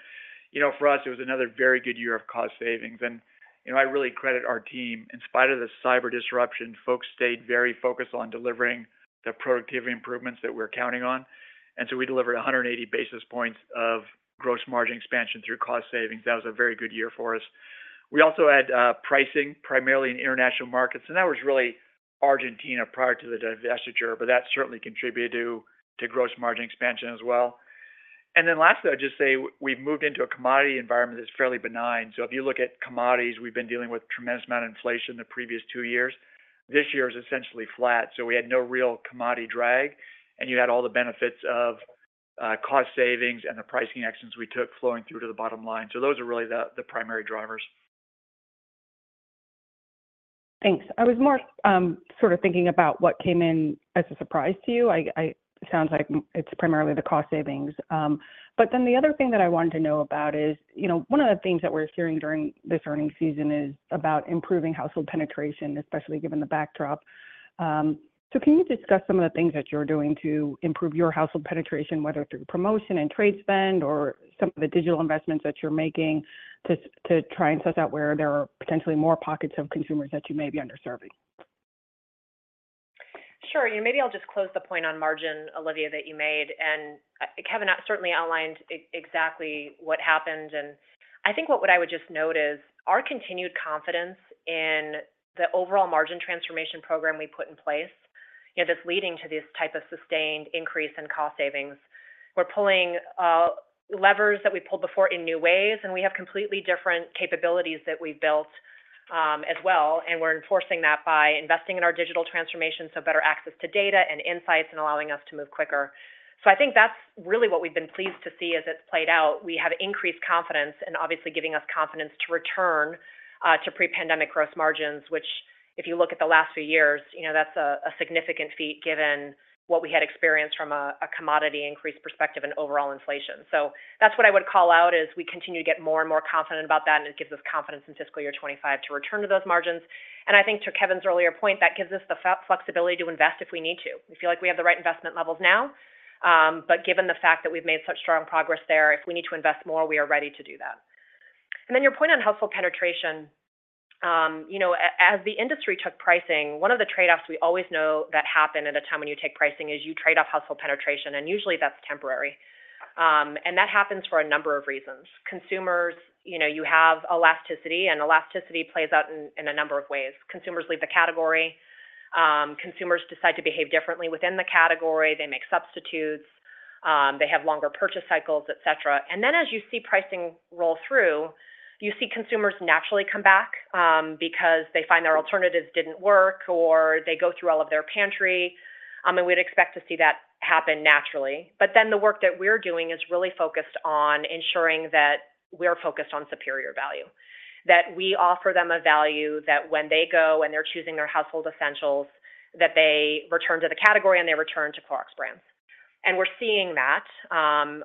You know, for us, it was another very good year of cost savings. And, you know, I really credit our team. In spite of the cyber disruption, folks stayed very focused on delivering the productivity improvements that we're counting on. And so we delivered 180 basis points of gross margin expansion through cost savings. That was a very good year for us. We also had pricing, primarily in International markets, and that was really Argentina prior to the divestiture, but that certainly contributed to gross margin expansion as well. And then lastly, I'd just say we've moved into a commodity environment that's fairly benign. If you look at commodities, we've been dealing with tremendous amount of inflation the previous two years. This year is essentially flat, so we had no real commodity drag, and you had all the benefits of cost savings and the pricing actions we took flowing through to the bottom line. Those are really the primary drivers. Thanks. I was more sort of thinking about what came in as a surprise to you. Sounds like it's primarily the cost savings. But then the other thing that I wanted to know about is, you know, one of the things that we're hearing during this earnings season is about improving Household penetration, especially given the backdrop. So can you discuss some of the things that you're doing to improve your Household penetration, whether through promotion and trade spend or some of the digital investments that you're making, to try and suss out where there are potentially more pockets of consumers that you may be underserving?... Sure. Yeah, maybe I'll just close the point on margin, Olivia, that you made, and Kevin certainly outlined exactly what happened. And I think what I would just note is our continued confidence in the overall margin transformation program we put in place, you know, that's leading to this type of sustained increase in cost savings. We're pulling levers that we pulled before in new ways, and we have completely different capabilities that we've built, as well, and we're enforcing that by investing in our digital transformation, so better access to data and insights and allowing us to move quicker. So I think that's really what we've been pleased to see as it's played out. We have increased confidence and obviously giving us confidence to return to pre-pandemic gross margins, which, if you look at the last few years, you know, that's a significant feat, given what we had experienced from a commodity increase perspective and overall inflation. So that's what I would call out as we continue to get more and more confident about that, and it gives us confidence in fiscal year 2025 to return to those margins. And I think to Kevin's earlier point, that gives us the flexibility to invest if we need to. We feel like we have the right investment levels now, but given the fact that we've made such strong progress there, if we need to invest more, we are ready to do that. And then your point on Household penetration, you know, as the industry took pricing, one of the trade-offs we always know that happen at a time when you take pricing is you trade off Household penetration, and usually that's temporary. And that happens for a number of reasons. Consumers, you know, you have elasticity, and elasticity plays out in a number of ways. Consumers leave a category, consumers decide to behave differently within the category, they make substitutes, they have longer purchase cycles, et cetera. And then, as you see pricing roll through, you see consumers naturally come back, because they find their alternatives didn't work, or they go through all of their pantry. And we'd expect to see that happen naturally. But then the work that we're doing is really focused on ensuring that we're focused on superior value. That we offer them a value that when they go and they're choosing their Household essentials, that they return to the category and they return to Clorox brands. And we're seeing that,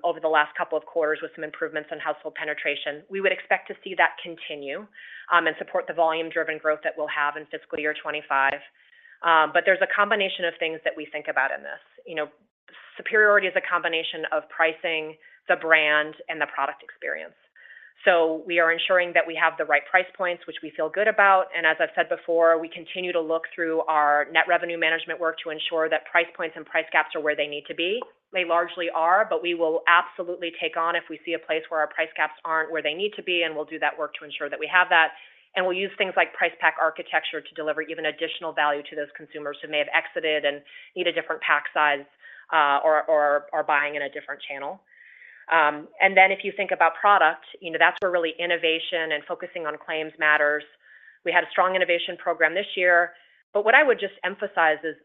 over the last couple of quarters with some improvements in Household penetration. We would expect to see that continue, and support the volume-driven growth that we'll have in fiscal year 25. But there's a combination of things that we think about in this. You know, superiority is a combination of pricing, the brand, and the product experience. So we are ensuring that we have the right price points, which we feel good about. And as I've said before, we continue to look through our net revenue management work to ensure that price points and price gaps are where they need to be. They largely are, but we will absolutely take on if we see a place where our price gaps aren't where they need to be, and we'll do that work to ensure that we have that. And we'll use things like price pack architecture to deliver even additional value to those consumers who may have exited and need a different pack size, or are buying in a different channel. And then if you think about product, you know, that's where really innovation and focusing on claims matters. We had a strong innovation program this year, but what I would just emphasize is,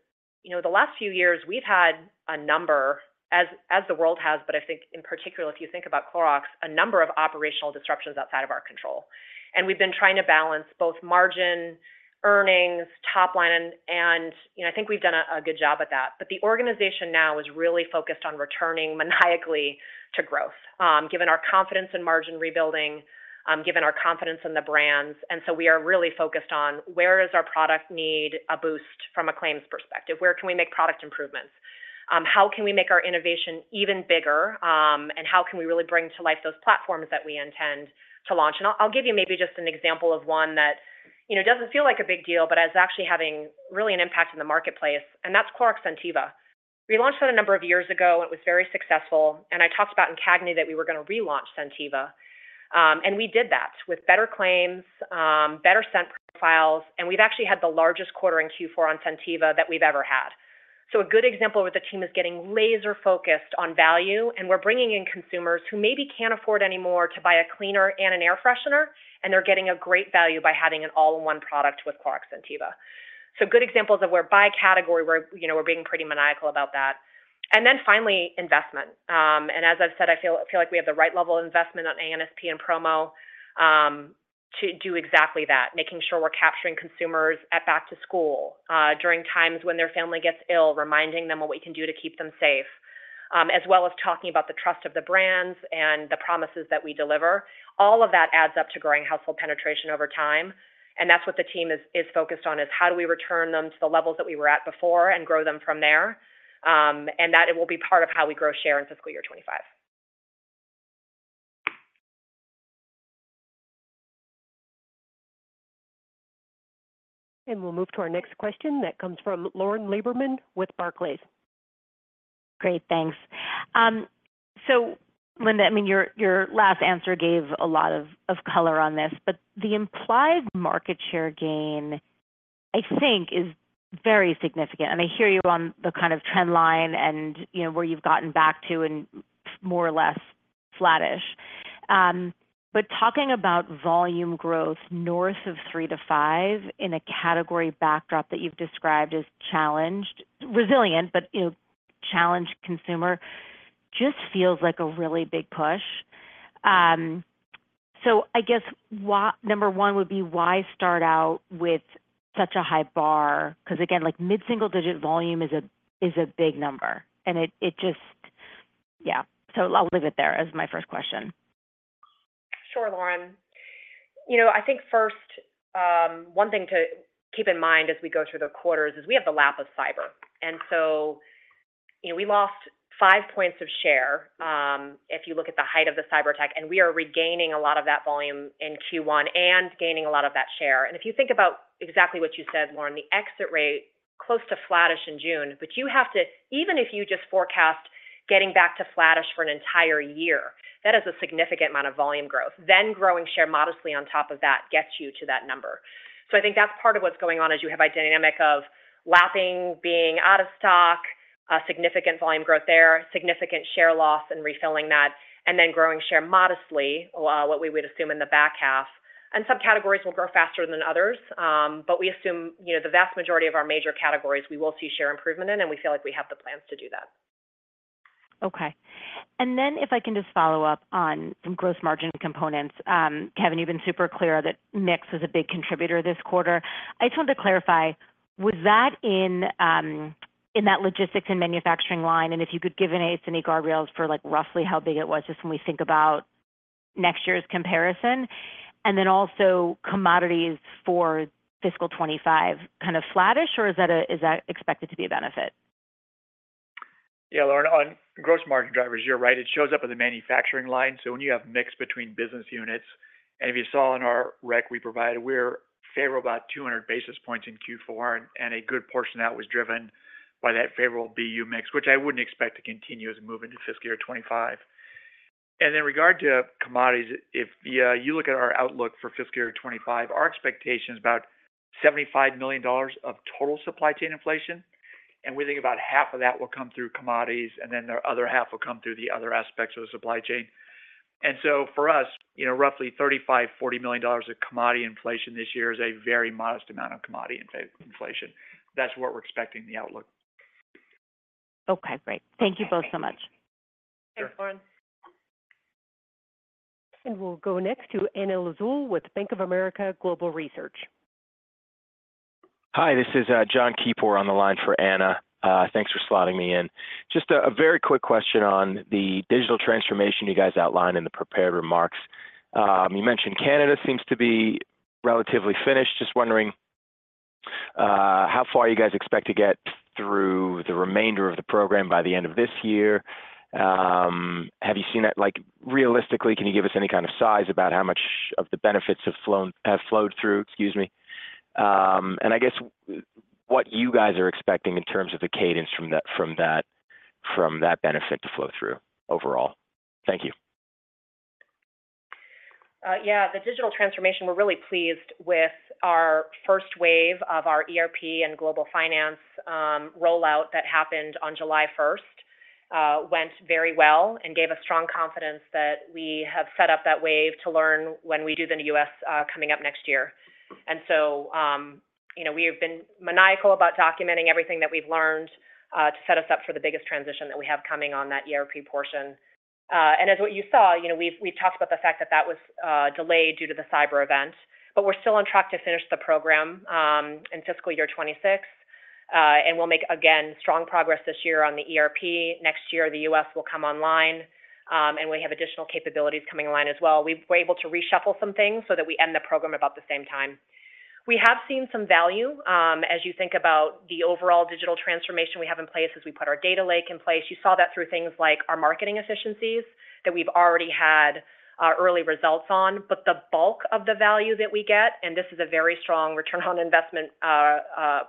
you know, the last few years, we've had a number, as the world has, but I think in particular, if you think about Clorox, a number of operational disruptions outside of our control, and we've been trying to balance both margin, earnings, top line, and, you know, I think we've done a good job at that. But the organization now is really focused on returning maniacally to growth, given our confidence in margin rebuilding, given our confidence in the brands. And so we are really focused on where does our product need a boost from a claims perspective? Where can we make product improvements? How can we make our innovation even bigger, and how can we really bring to life those platforms that we intend to launch? I'll give you maybe just an example of one that, you know, doesn't feel like a big deal, but is actually having really an impact in the marketplace, and that's Clorox Scentiva. We launched that a number of years ago, and it was very successful, and I talked about in CAGNY that we were gonna relaunch Scentiva. And we did that with better claims, better scent profiles, and we've actually had the largest quarter in Q4 on Scentiva that we've ever had. So a good example where the team is getting laser-focused on value, and we're bringing in consumers who maybe can't afford anymore to buy a cleaner and an air freshener, and they're getting a great value by having an all-in-one product with Clorox Scentiva. So good examples of where by category, we're, you know, we're being pretty maniacal about that. And then finally, investment. And as I've said, I feel, I feel like we have the right level of investment on A&P and promo, to do exactly that, making sure we're capturing consumers at back to school, during times when their family gets ill, reminding them what we can do to keep them safe, as well as talking about the trust of the brands and the promises that we deliver. All of that adds up to growing Household penetration over time, and that's what the team is, is focused on, is how do we return them to the levels that we were at before and grow them from there? And that it will be part of how we grow share in fiscal year 2025. We'll move to our next question, that comes from Lauren Lieberman with Barclays. Great. Thanks. So Linda, I mean, your last answer gave a lot of color on this, but the implied market share gain, I think, is very significant. And I hear you on the kind of trend line and, you know, where you've gotten back to and more or less flattish. But talking about volume growth north of 3-5 in a category backdrop that you've described as challenged, resilient, but, you know, challenged consumer, just feels like a really big push. So I guess why, number one would be, why start out with such a high bar? Because, again, like, mid-single-digit volume is a big number, and it just... Yeah. So I'll leave it there as my first question. Sure, Lauren. You know, I think first, one thing to keep in mind as we go through the quarters is we have the lapping of the cyber, and so, you know, we lost 5 points of share, if you look at the height of the cyberattack, and we are regaining a lot of that volume in Q1 and gaining a lot of that share. And if you think about exactly what you said, Lauren, the exit rate close to flattish in June, but you have to, even if you just forecast getting back to flattish for an entire year, that is a significant amount of volume growth. Then growing share modestly on top of that gets you to that number. So I think that's part of what's going on, is you have a dynamic of lapping, being out of stock, a significant volume growth there, significant share loss and refilling that, and then growing share modestly, what we would assume in the back half. Some categories will grow faster than others, but we assume, you know, the vast majority of our major categories, we will see share improvement in, and we feel like we have the plans to do that. Okay. And then if I can just follow up on some gross margin components. Kevin, you've been super clear that mix is a big contributor this quarter. I just wanted to clarify, was that in that logistics and manufacturing line? And if you could give any guardrails for, like, roughly how big it was, just when we think about next year's comparison, and then also commodities for fiscal 2025, kind of flattish, or is that expected to be a benefit? Yeah, Lauren, on gross margin drivers, you're right. It shows up in the manufacturing line. So when you have mix between business units, and if you saw in our rec we provided, we're favorable about 200 basis points in Q4, and a good portion of that was driven by that favorable BU mix, which I wouldn't expect to continue as we move into fiscal year 2025. And in regard to commodities, if, yeah, you look at our outlook for fiscal year 2025, our expectation is about $75 million of total supply chain inflation, and we think about half of that will come through commodities, and then the other half will come through the other aspects of the supply chain. And so for us, you know, roughly $35-$40 million of commodity inflation this year is a very modest amount of commodity inflation. That's what we're expecting in the outlook. Okay, great. Thank you both so much. Thanks, Lauren. We'll go next to Anna Lizzul with Bank of America Global Research. Hi, this is John Keeport on the line for Anna. Thanks for slotting me in. Just a very quick question on the digital transformation you guys outlined in the prepared remarks. You mentioned Canada seems to be relatively finished. Just wondering how far you guys expect to get through the remainder of the program by the end of this year? Have you seen that—like, realistically, can you give us any kind of size about how much of the benefits have flown, have flowed through? Excuse me. And I guess what you guys are expecting in terms of the cadence from that, from that, from that benefit to flow through overall. Thank you. Yeah, the digital transformation, we're really pleased with our first wave of our ERP and global finance rollout that happened on July first. Went very well and gave us strong confidence that we have set up that wave to learn when we do the U.S. coming up next year. And so, you know, we have been maniacal about documenting everything that we've learned to set us up for the biggest transition that we have coming on that ERP portion. And as what you saw, you know, we've talked about the fact that that was delayed due to the cyber event, but we're still on track to finish the program in fiscal year 2026. And we'll make, again, strong progress this year on the ERP. Next year, the U.S. will come online, and we have additional capabilities coming online as well. We were able to reshuffle some things so that we end the program about the same time. We have seen some value, as you think about the overall digital transformation we have in place as we put our data lake in place. You saw that through things like our marketing efficiencies, that we've already had, early results on, but the bulk of the value that we get, and this is a very strong return on investment,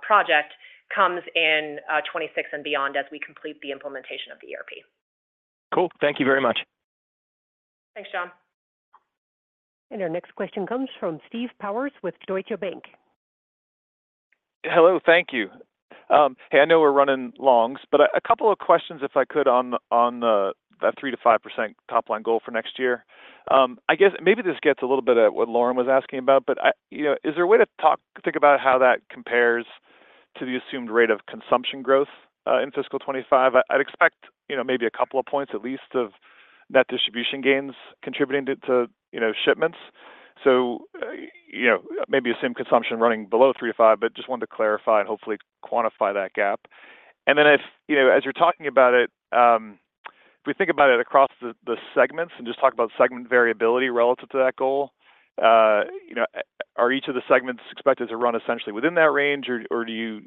project, comes in, 2026 and beyond as we complete the implementation of the ERP. Cool. Thank you very much. Thanks, John. Our next question comes from Steve Powers with Deutsche Bank. Hello, thank you. Hey, I know we're running long, but a couple of questions, if I could, on that 3%-5% top-line goal for next year. I guess maybe this gets a little bit at what Lauren was asking about, but I... you know, is there a way to think about how that compares to the assumed rate of consumption growth in fiscal 25? I'd expect, you know, maybe a couple of points, at least, of net distribution gains contributing to you know, shipments. So, you know, maybe the same consumption running below 3%-5%, but just wanted to clarify and hopefully quantify that gap. And then if, you know, as you're talking about it, if we think about it across the segments and just talk about segment variability relative to that goal, you know, are each of the segments expected to run essentially within that range, or do you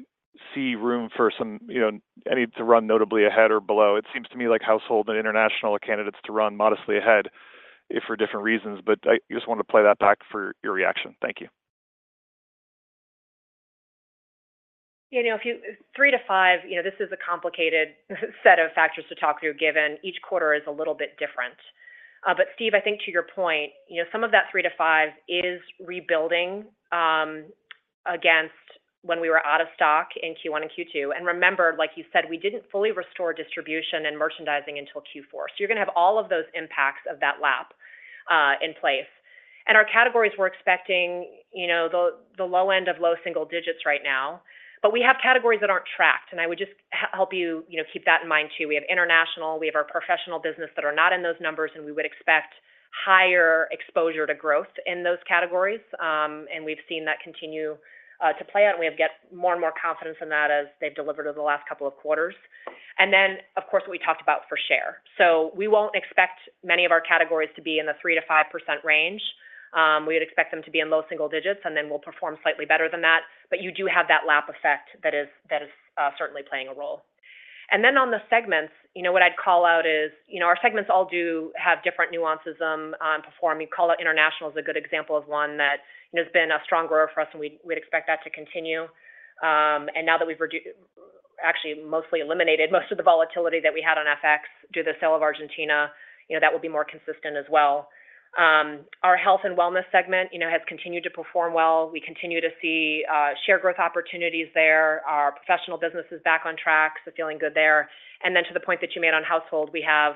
see room for some, you know, any to run notably ahead or below? It seems to me like Household and International are candidates to run modestly ahead if for different reasons, but I just wanted to play that back for your reaction. Thank you. Yeah, you know, if you 3-5, you know, this is a complicated set of factors to talk through, given each quarter is a little bit different. But Steve, I think to your point, you know, some of that 3-5 is rebuilding against when we were out of stock in Q1 and Q2. And remember, like you said, we didn't fully restore distribution and merchandising until Q4. So you're gonna have all of those impacts of that lap in place. And our categories, we're expecting, you know, the low end of low single digits right now, but we have categories that aren't tracked, and I would just help you, you know, keep that in mind, too. We have International, we have our professional business that are not in those numbers, and we would expect higher exposure to growth in those categories. And we've seen that continue to play out, and we have got more and more confidence in that as they've delivered over the last couple of quarters. And then, of course, what we talked about for share. So we won't expect many of our categories to be in the 3%-5% range. We would expect them to be in low single digits, and then we'll perform slightly better than that. But you do have that lap effect that is certainly playing a role. And then on the segments, you know, what I'd call out is, you know, our segments all do have different nuances on performing. Call it International is a good example of one that, you know, has been a strong grower for us, and we'd expect that to continue. And now that we've actually mostly eliminated most of the volatility that we had on FX through the sale of Argentina, you know, that will be more consistent as well. Our Health and Wellness segment, you know, has continued to perform well. We continue to see share growth opportunities there. Our professional business is back on track, so feeling good there. And then to the point that you made on Household, we have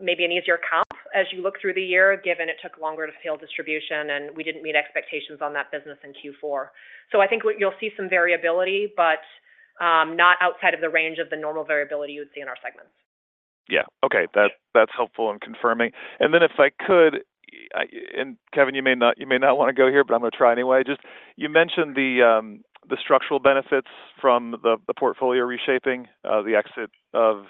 maybe an easier comp as you look through the year, given it took longer to fill distribution, and we didn't meet expectations on that business in Q4. So I think what you'll see some variability, but not outside of the range of the normal variability you would see in our segments. Yeah. Okay. That, that's helpful in confirming. And then if I could, and Kevin, you may not, you may not want to go here, but I'm going to try anyway. Just you mentioned the structural benefits from the portfolio reshaping, the exit of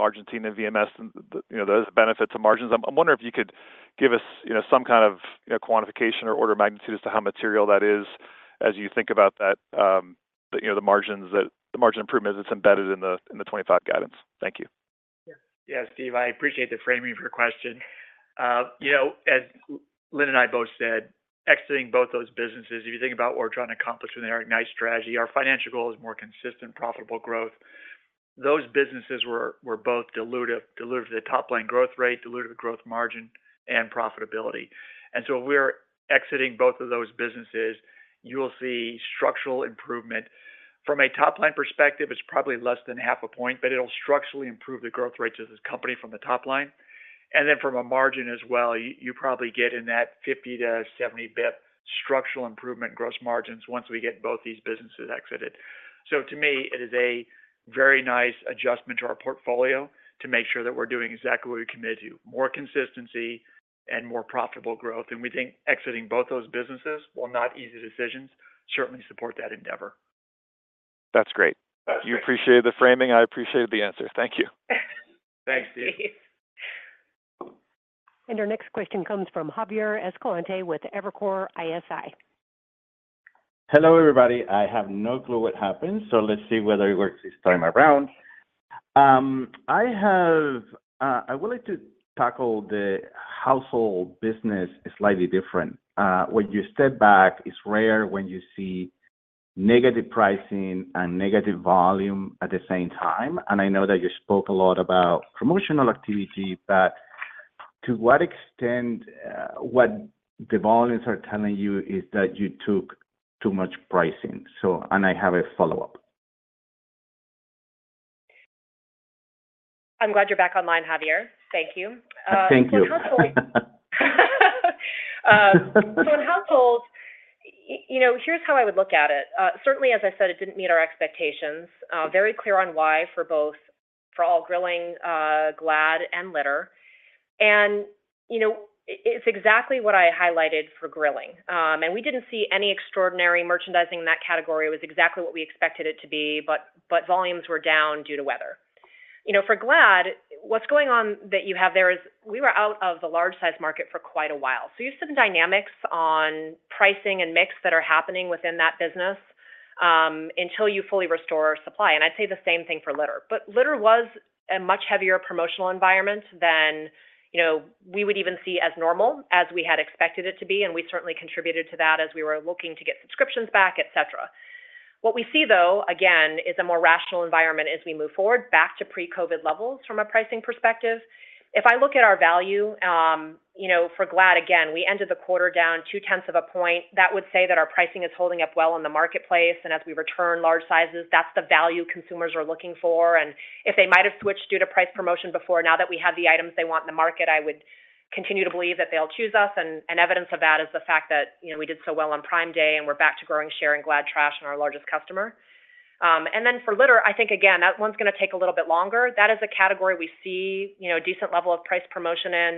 Argentina, VMS, and, you know, those benefits of margins. I'm wondering if you could give us, you know, some kind of quantification or order of magnitude as to how material that is as you think about that, you know, the margins that, the margin improvements that's embedded in the 25 guidance. Thank you. Yeah, Steve, I appreciate the framing of your question. You know, as Linda and I both said, exiting both those businesses, if you think about what we're trying to accomplish with our Ignite strategy, our financial goal is more consistent, profitable growth. Those businesses were both dilutive, dilutive to the top line growth rate, dilutive to gross margin and profitability. So we're exiting both of those businesses. You will see structural improvement. From a top-line perspective, it's probably less than half a point, but it'll structurally improve the growth rates of this company from the top line, and then from a margin as well, you probably get in that 50- to 70-basis-point structural improvement in gross margins once we get both these businesses exited. To me, it is a very nice adjustment to our portfolio to make sure that we're doing exactly what we committed to, more consistency and more profitable growth. We think exiting both those businesses, while not easy decisions, certainly support that endeavor. That's great. That's great. You appreciate the framing, I appreciate the answer. Thank you. Thanks, Steve. Our next question comes from Javier Escalante with Evercore ISI. Hello, everybody. I have no clue what happened, so let's see whether it works this time around. I have, I would like to tackle the Household business slightly different. When you step back, it's rare when you see negative pricing and negative volume at the same time, and I know that you spoke a lot about promotional activity, but to what extent, what the volumes are telling you is that you took too much pricing? So, and I have a follow-up. I'm glad you're back online, Javier. Thank you. Thank you. So in Households, you know, here's how I would look at it. Certainly, as I said, it didn't meet our expectations. Very clear on why for both, for all grilling, Glad, and litter. And, you know, it's exactly what I highlighted for grilling. And we didn't see any extraordinary merchandising in that category. It was exactly what we expected it to be, but volumes were down due to weather. You know, for Glad, what's going on that you have there is we were out of the large size market for quite a while. So you have some dynamics on pricing and mix that are happening within that business, until you fully restore supply, and I'd say the same thing for litter. But litter was a much heavier promotional environment than, you know, we would even see as normal as we had expected it to be, and we certainly contributed to that as we were looking to get subscriptions back, et cetera. What we see, though, again, is a more rational environment as we move forward back to pre-COVID levels from a pricing perspective. If I look at our value, you know, for Glad, again, we ended the quarter down two-tenths of a point. That would say that our pricing is holding up well in the marketplace, and as we return large sizes, that's the value consumers are looking for, and if they might have switched due to price promotion before, now that we have the items they want in the market, I would continue to believe that they'll choose us, and, and evidence of that is the fact that, you know, we did so well on Prime Day, and we're back to growing share in Glad Trash and our largest customer. And then for litter, I think, again, that one's going to take a little bit longer. That is a category we see, you know, a decent level of price promotion in.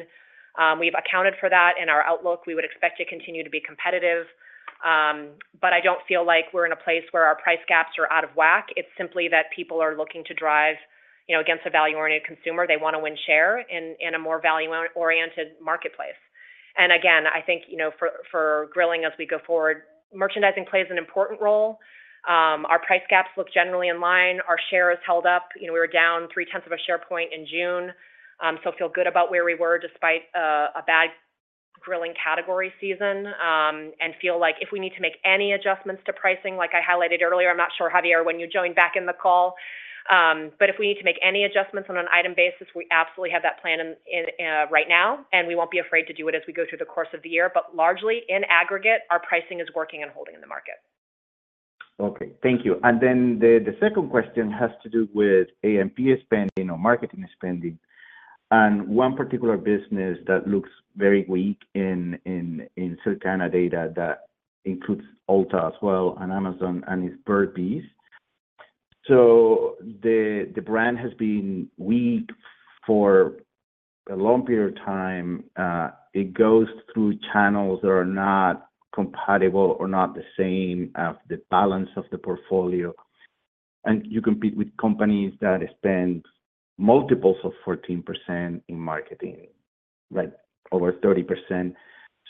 We've accounted for that in our outlook. We would expect to continue to be competitive, but I don't feel like we're in a place where our price gaps are out of whack. It's simply that people are looking to drive, you know, against a value-oriented consumer. They want to win share in a more value-oriented marketplace. And again, I think, you know, for grilling as we go forward, merchandising plays an important role. Our price gaps look generally in line. Our share is held up. You know, we were down 0.3 of a share point in June, so feel good about where we were despite a bad grilling category season, and feel like if we need to make any adjustments to pricing, like I highlighted earlier, I'm not sure, Javier, when you joined back in the call, but if we need to make any adjustments on an item basis, we absolutely have that plan in right now, and we won't be afraid to do it as we go through the course of the year. But largely, in aggregate, our pricing is working and holding in the market. Okay, thank you. And then the second question has to do with AMP spending or marketing spending. And one particular business that looks very weak in Circana data that includes Ulta as well and Amazon and its Burt's Bees. So the brand has been weak for a long period of time. It goes through channels that are not compatible or not the same as the balance of the portfolio... and you compete with companies that spend multiples of 14% in marketing, like over 30%.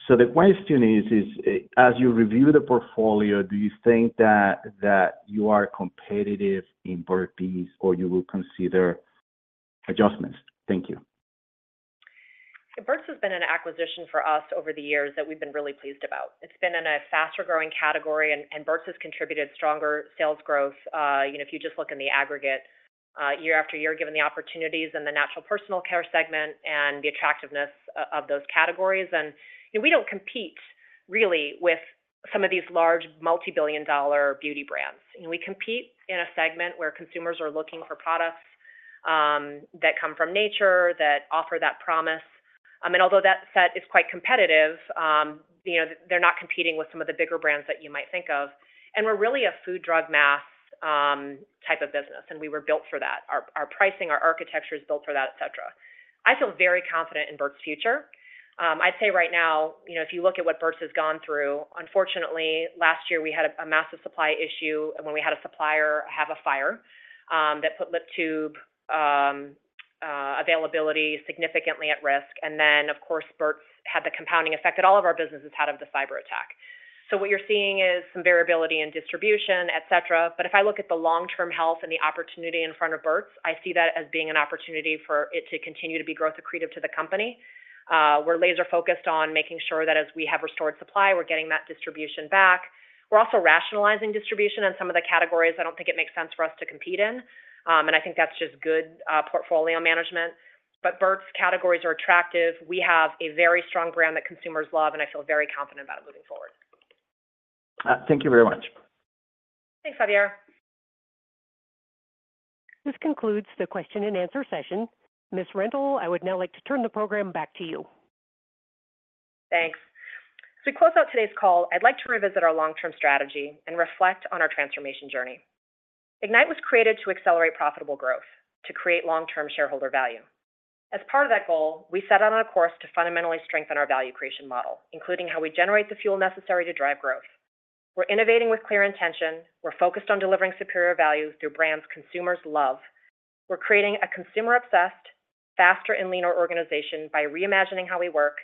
So the question is, as you review the portfolio, do you think that you are competitive in Burt's Bees, or you will consider adjustments? Thank you. Burt's has been an acquisition for us over the years that we've been really pleased about. It's been in a faster-growing category, and Burt's has contributed stronger sales growth. You know, if you just look in the aggregate, year after year, given the opportunities in the natural personal care segment and the attractiveness of those categories. And, you know, we don't compete really with some of these large multi-billion dollar beauty brands. We compete in a segment where consumers are looking for products that come from nature, that offer that promise. And although that set is quite competitive, you know, they're not competing with some of the bigger brands that you might think of. And we're really a food, drug, mass type of business, and we were built for that. Our pricing, our architecture is built for that, et cetera. I feel very confident in Burt's future. I'd say right now, you know, if you look at what Burt's has gone through, unfortunately, last year we had a massive supply issue when we had a supplier have a fire that put lip tube availability significantly at risk. And then, of course, Burt's had the compounding effect that all of our businesses had of the cyberattack. So what you're seeing is some variability in distribution, et cetera, but if I look at the long-term health and the opportunity in front of Burt's, I see that as being an opportunity for it to continue to be growth accretive to the company. We're laser-focused on making sure that as we have restored supply, we're getting that distribution back. We're also rationalizing distribution in some of the categories I don't think it makes sense for us to compete in, and I think that's just good portfolio management. But Burt's categories are attractive. We have a very strong brand that consumers love, and I feel very confident about it moving forward. Thank you very much. Thanks, Javier. This concludes the question and answer session. Ms. Rendle, I would now like to turn the program back to you. Thanks. As we close out today's call, I'd like to revisit our long-term strategy and reflect on our transformation journey. Ignite was created to accelerate profitable growth, to create long-term shareholder value. As part of that goal, we set out on a course to fundamentally strengthen our value creation model, including how we generate the fuel necessary to drive growth. We're innovating with clear intention. We're focused on delivering superior value through brands consumers love. We're creating a consumer-obsessed, faster and leaner organization by reimagining how we work,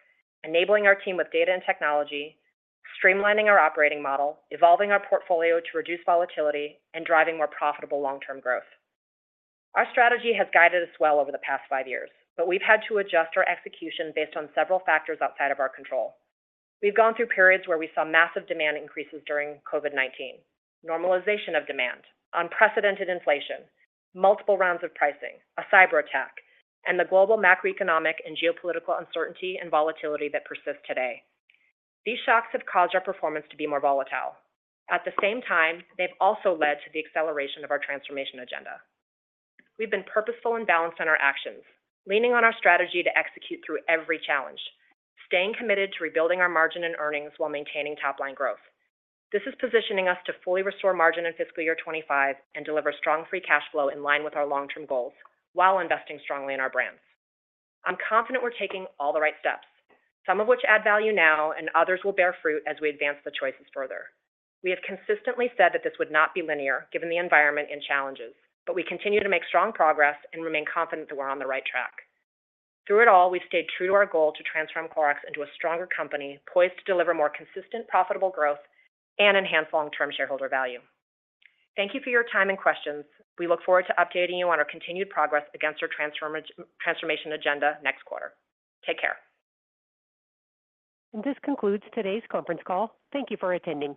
enabling our team with data and technology, streamlining our operating model, evolving our portfolio to reduce volatility, and driving more profitable long-term growth. Our strategy has guided us well over the past five years, but we've had to adjust our execution based on several factors outside of our control. We've gone through periods where we saw massive demand increases during COVID-19, normalization of demand, unprecedented inflation, multiple rounds of pricing, a cyberattack, and the global macroeconomic and geopolitical uncertainty and volatility that persists today. These shocks have caused our performance to be more volatile. At the same time, they've also led to the acceleration of our transformation agenda. We've been purposeful and balanced in our actions, leaning on our strategy to execute through every challenge, staying committed to rebuilding our margin and earnings while maintaining top-line growth. This is positioning us to fully restore margin in fiscal year 2025 and deliver strong free cash flow in line with our long-term goals, while investing strongly in our brands. I'm confident we're taking all the right steps, some of which add value now and others will bear fruit as we advance the choices further. We have consistently said that this would not be linear, given the environment and challenges, but we continue to make strong progress and remain confident that we're on the right track. Through it all, we've stayed true to our goal to transform Clorox into a stronger company, poised to deliver more consistent, profitable growth and enhance long-term shareholder value. Thank you for your time and questions. We look forward to updating you on our continued progress against our transformation agenda next quarter. Take care. This concludes today's conference call. Thank you for attending.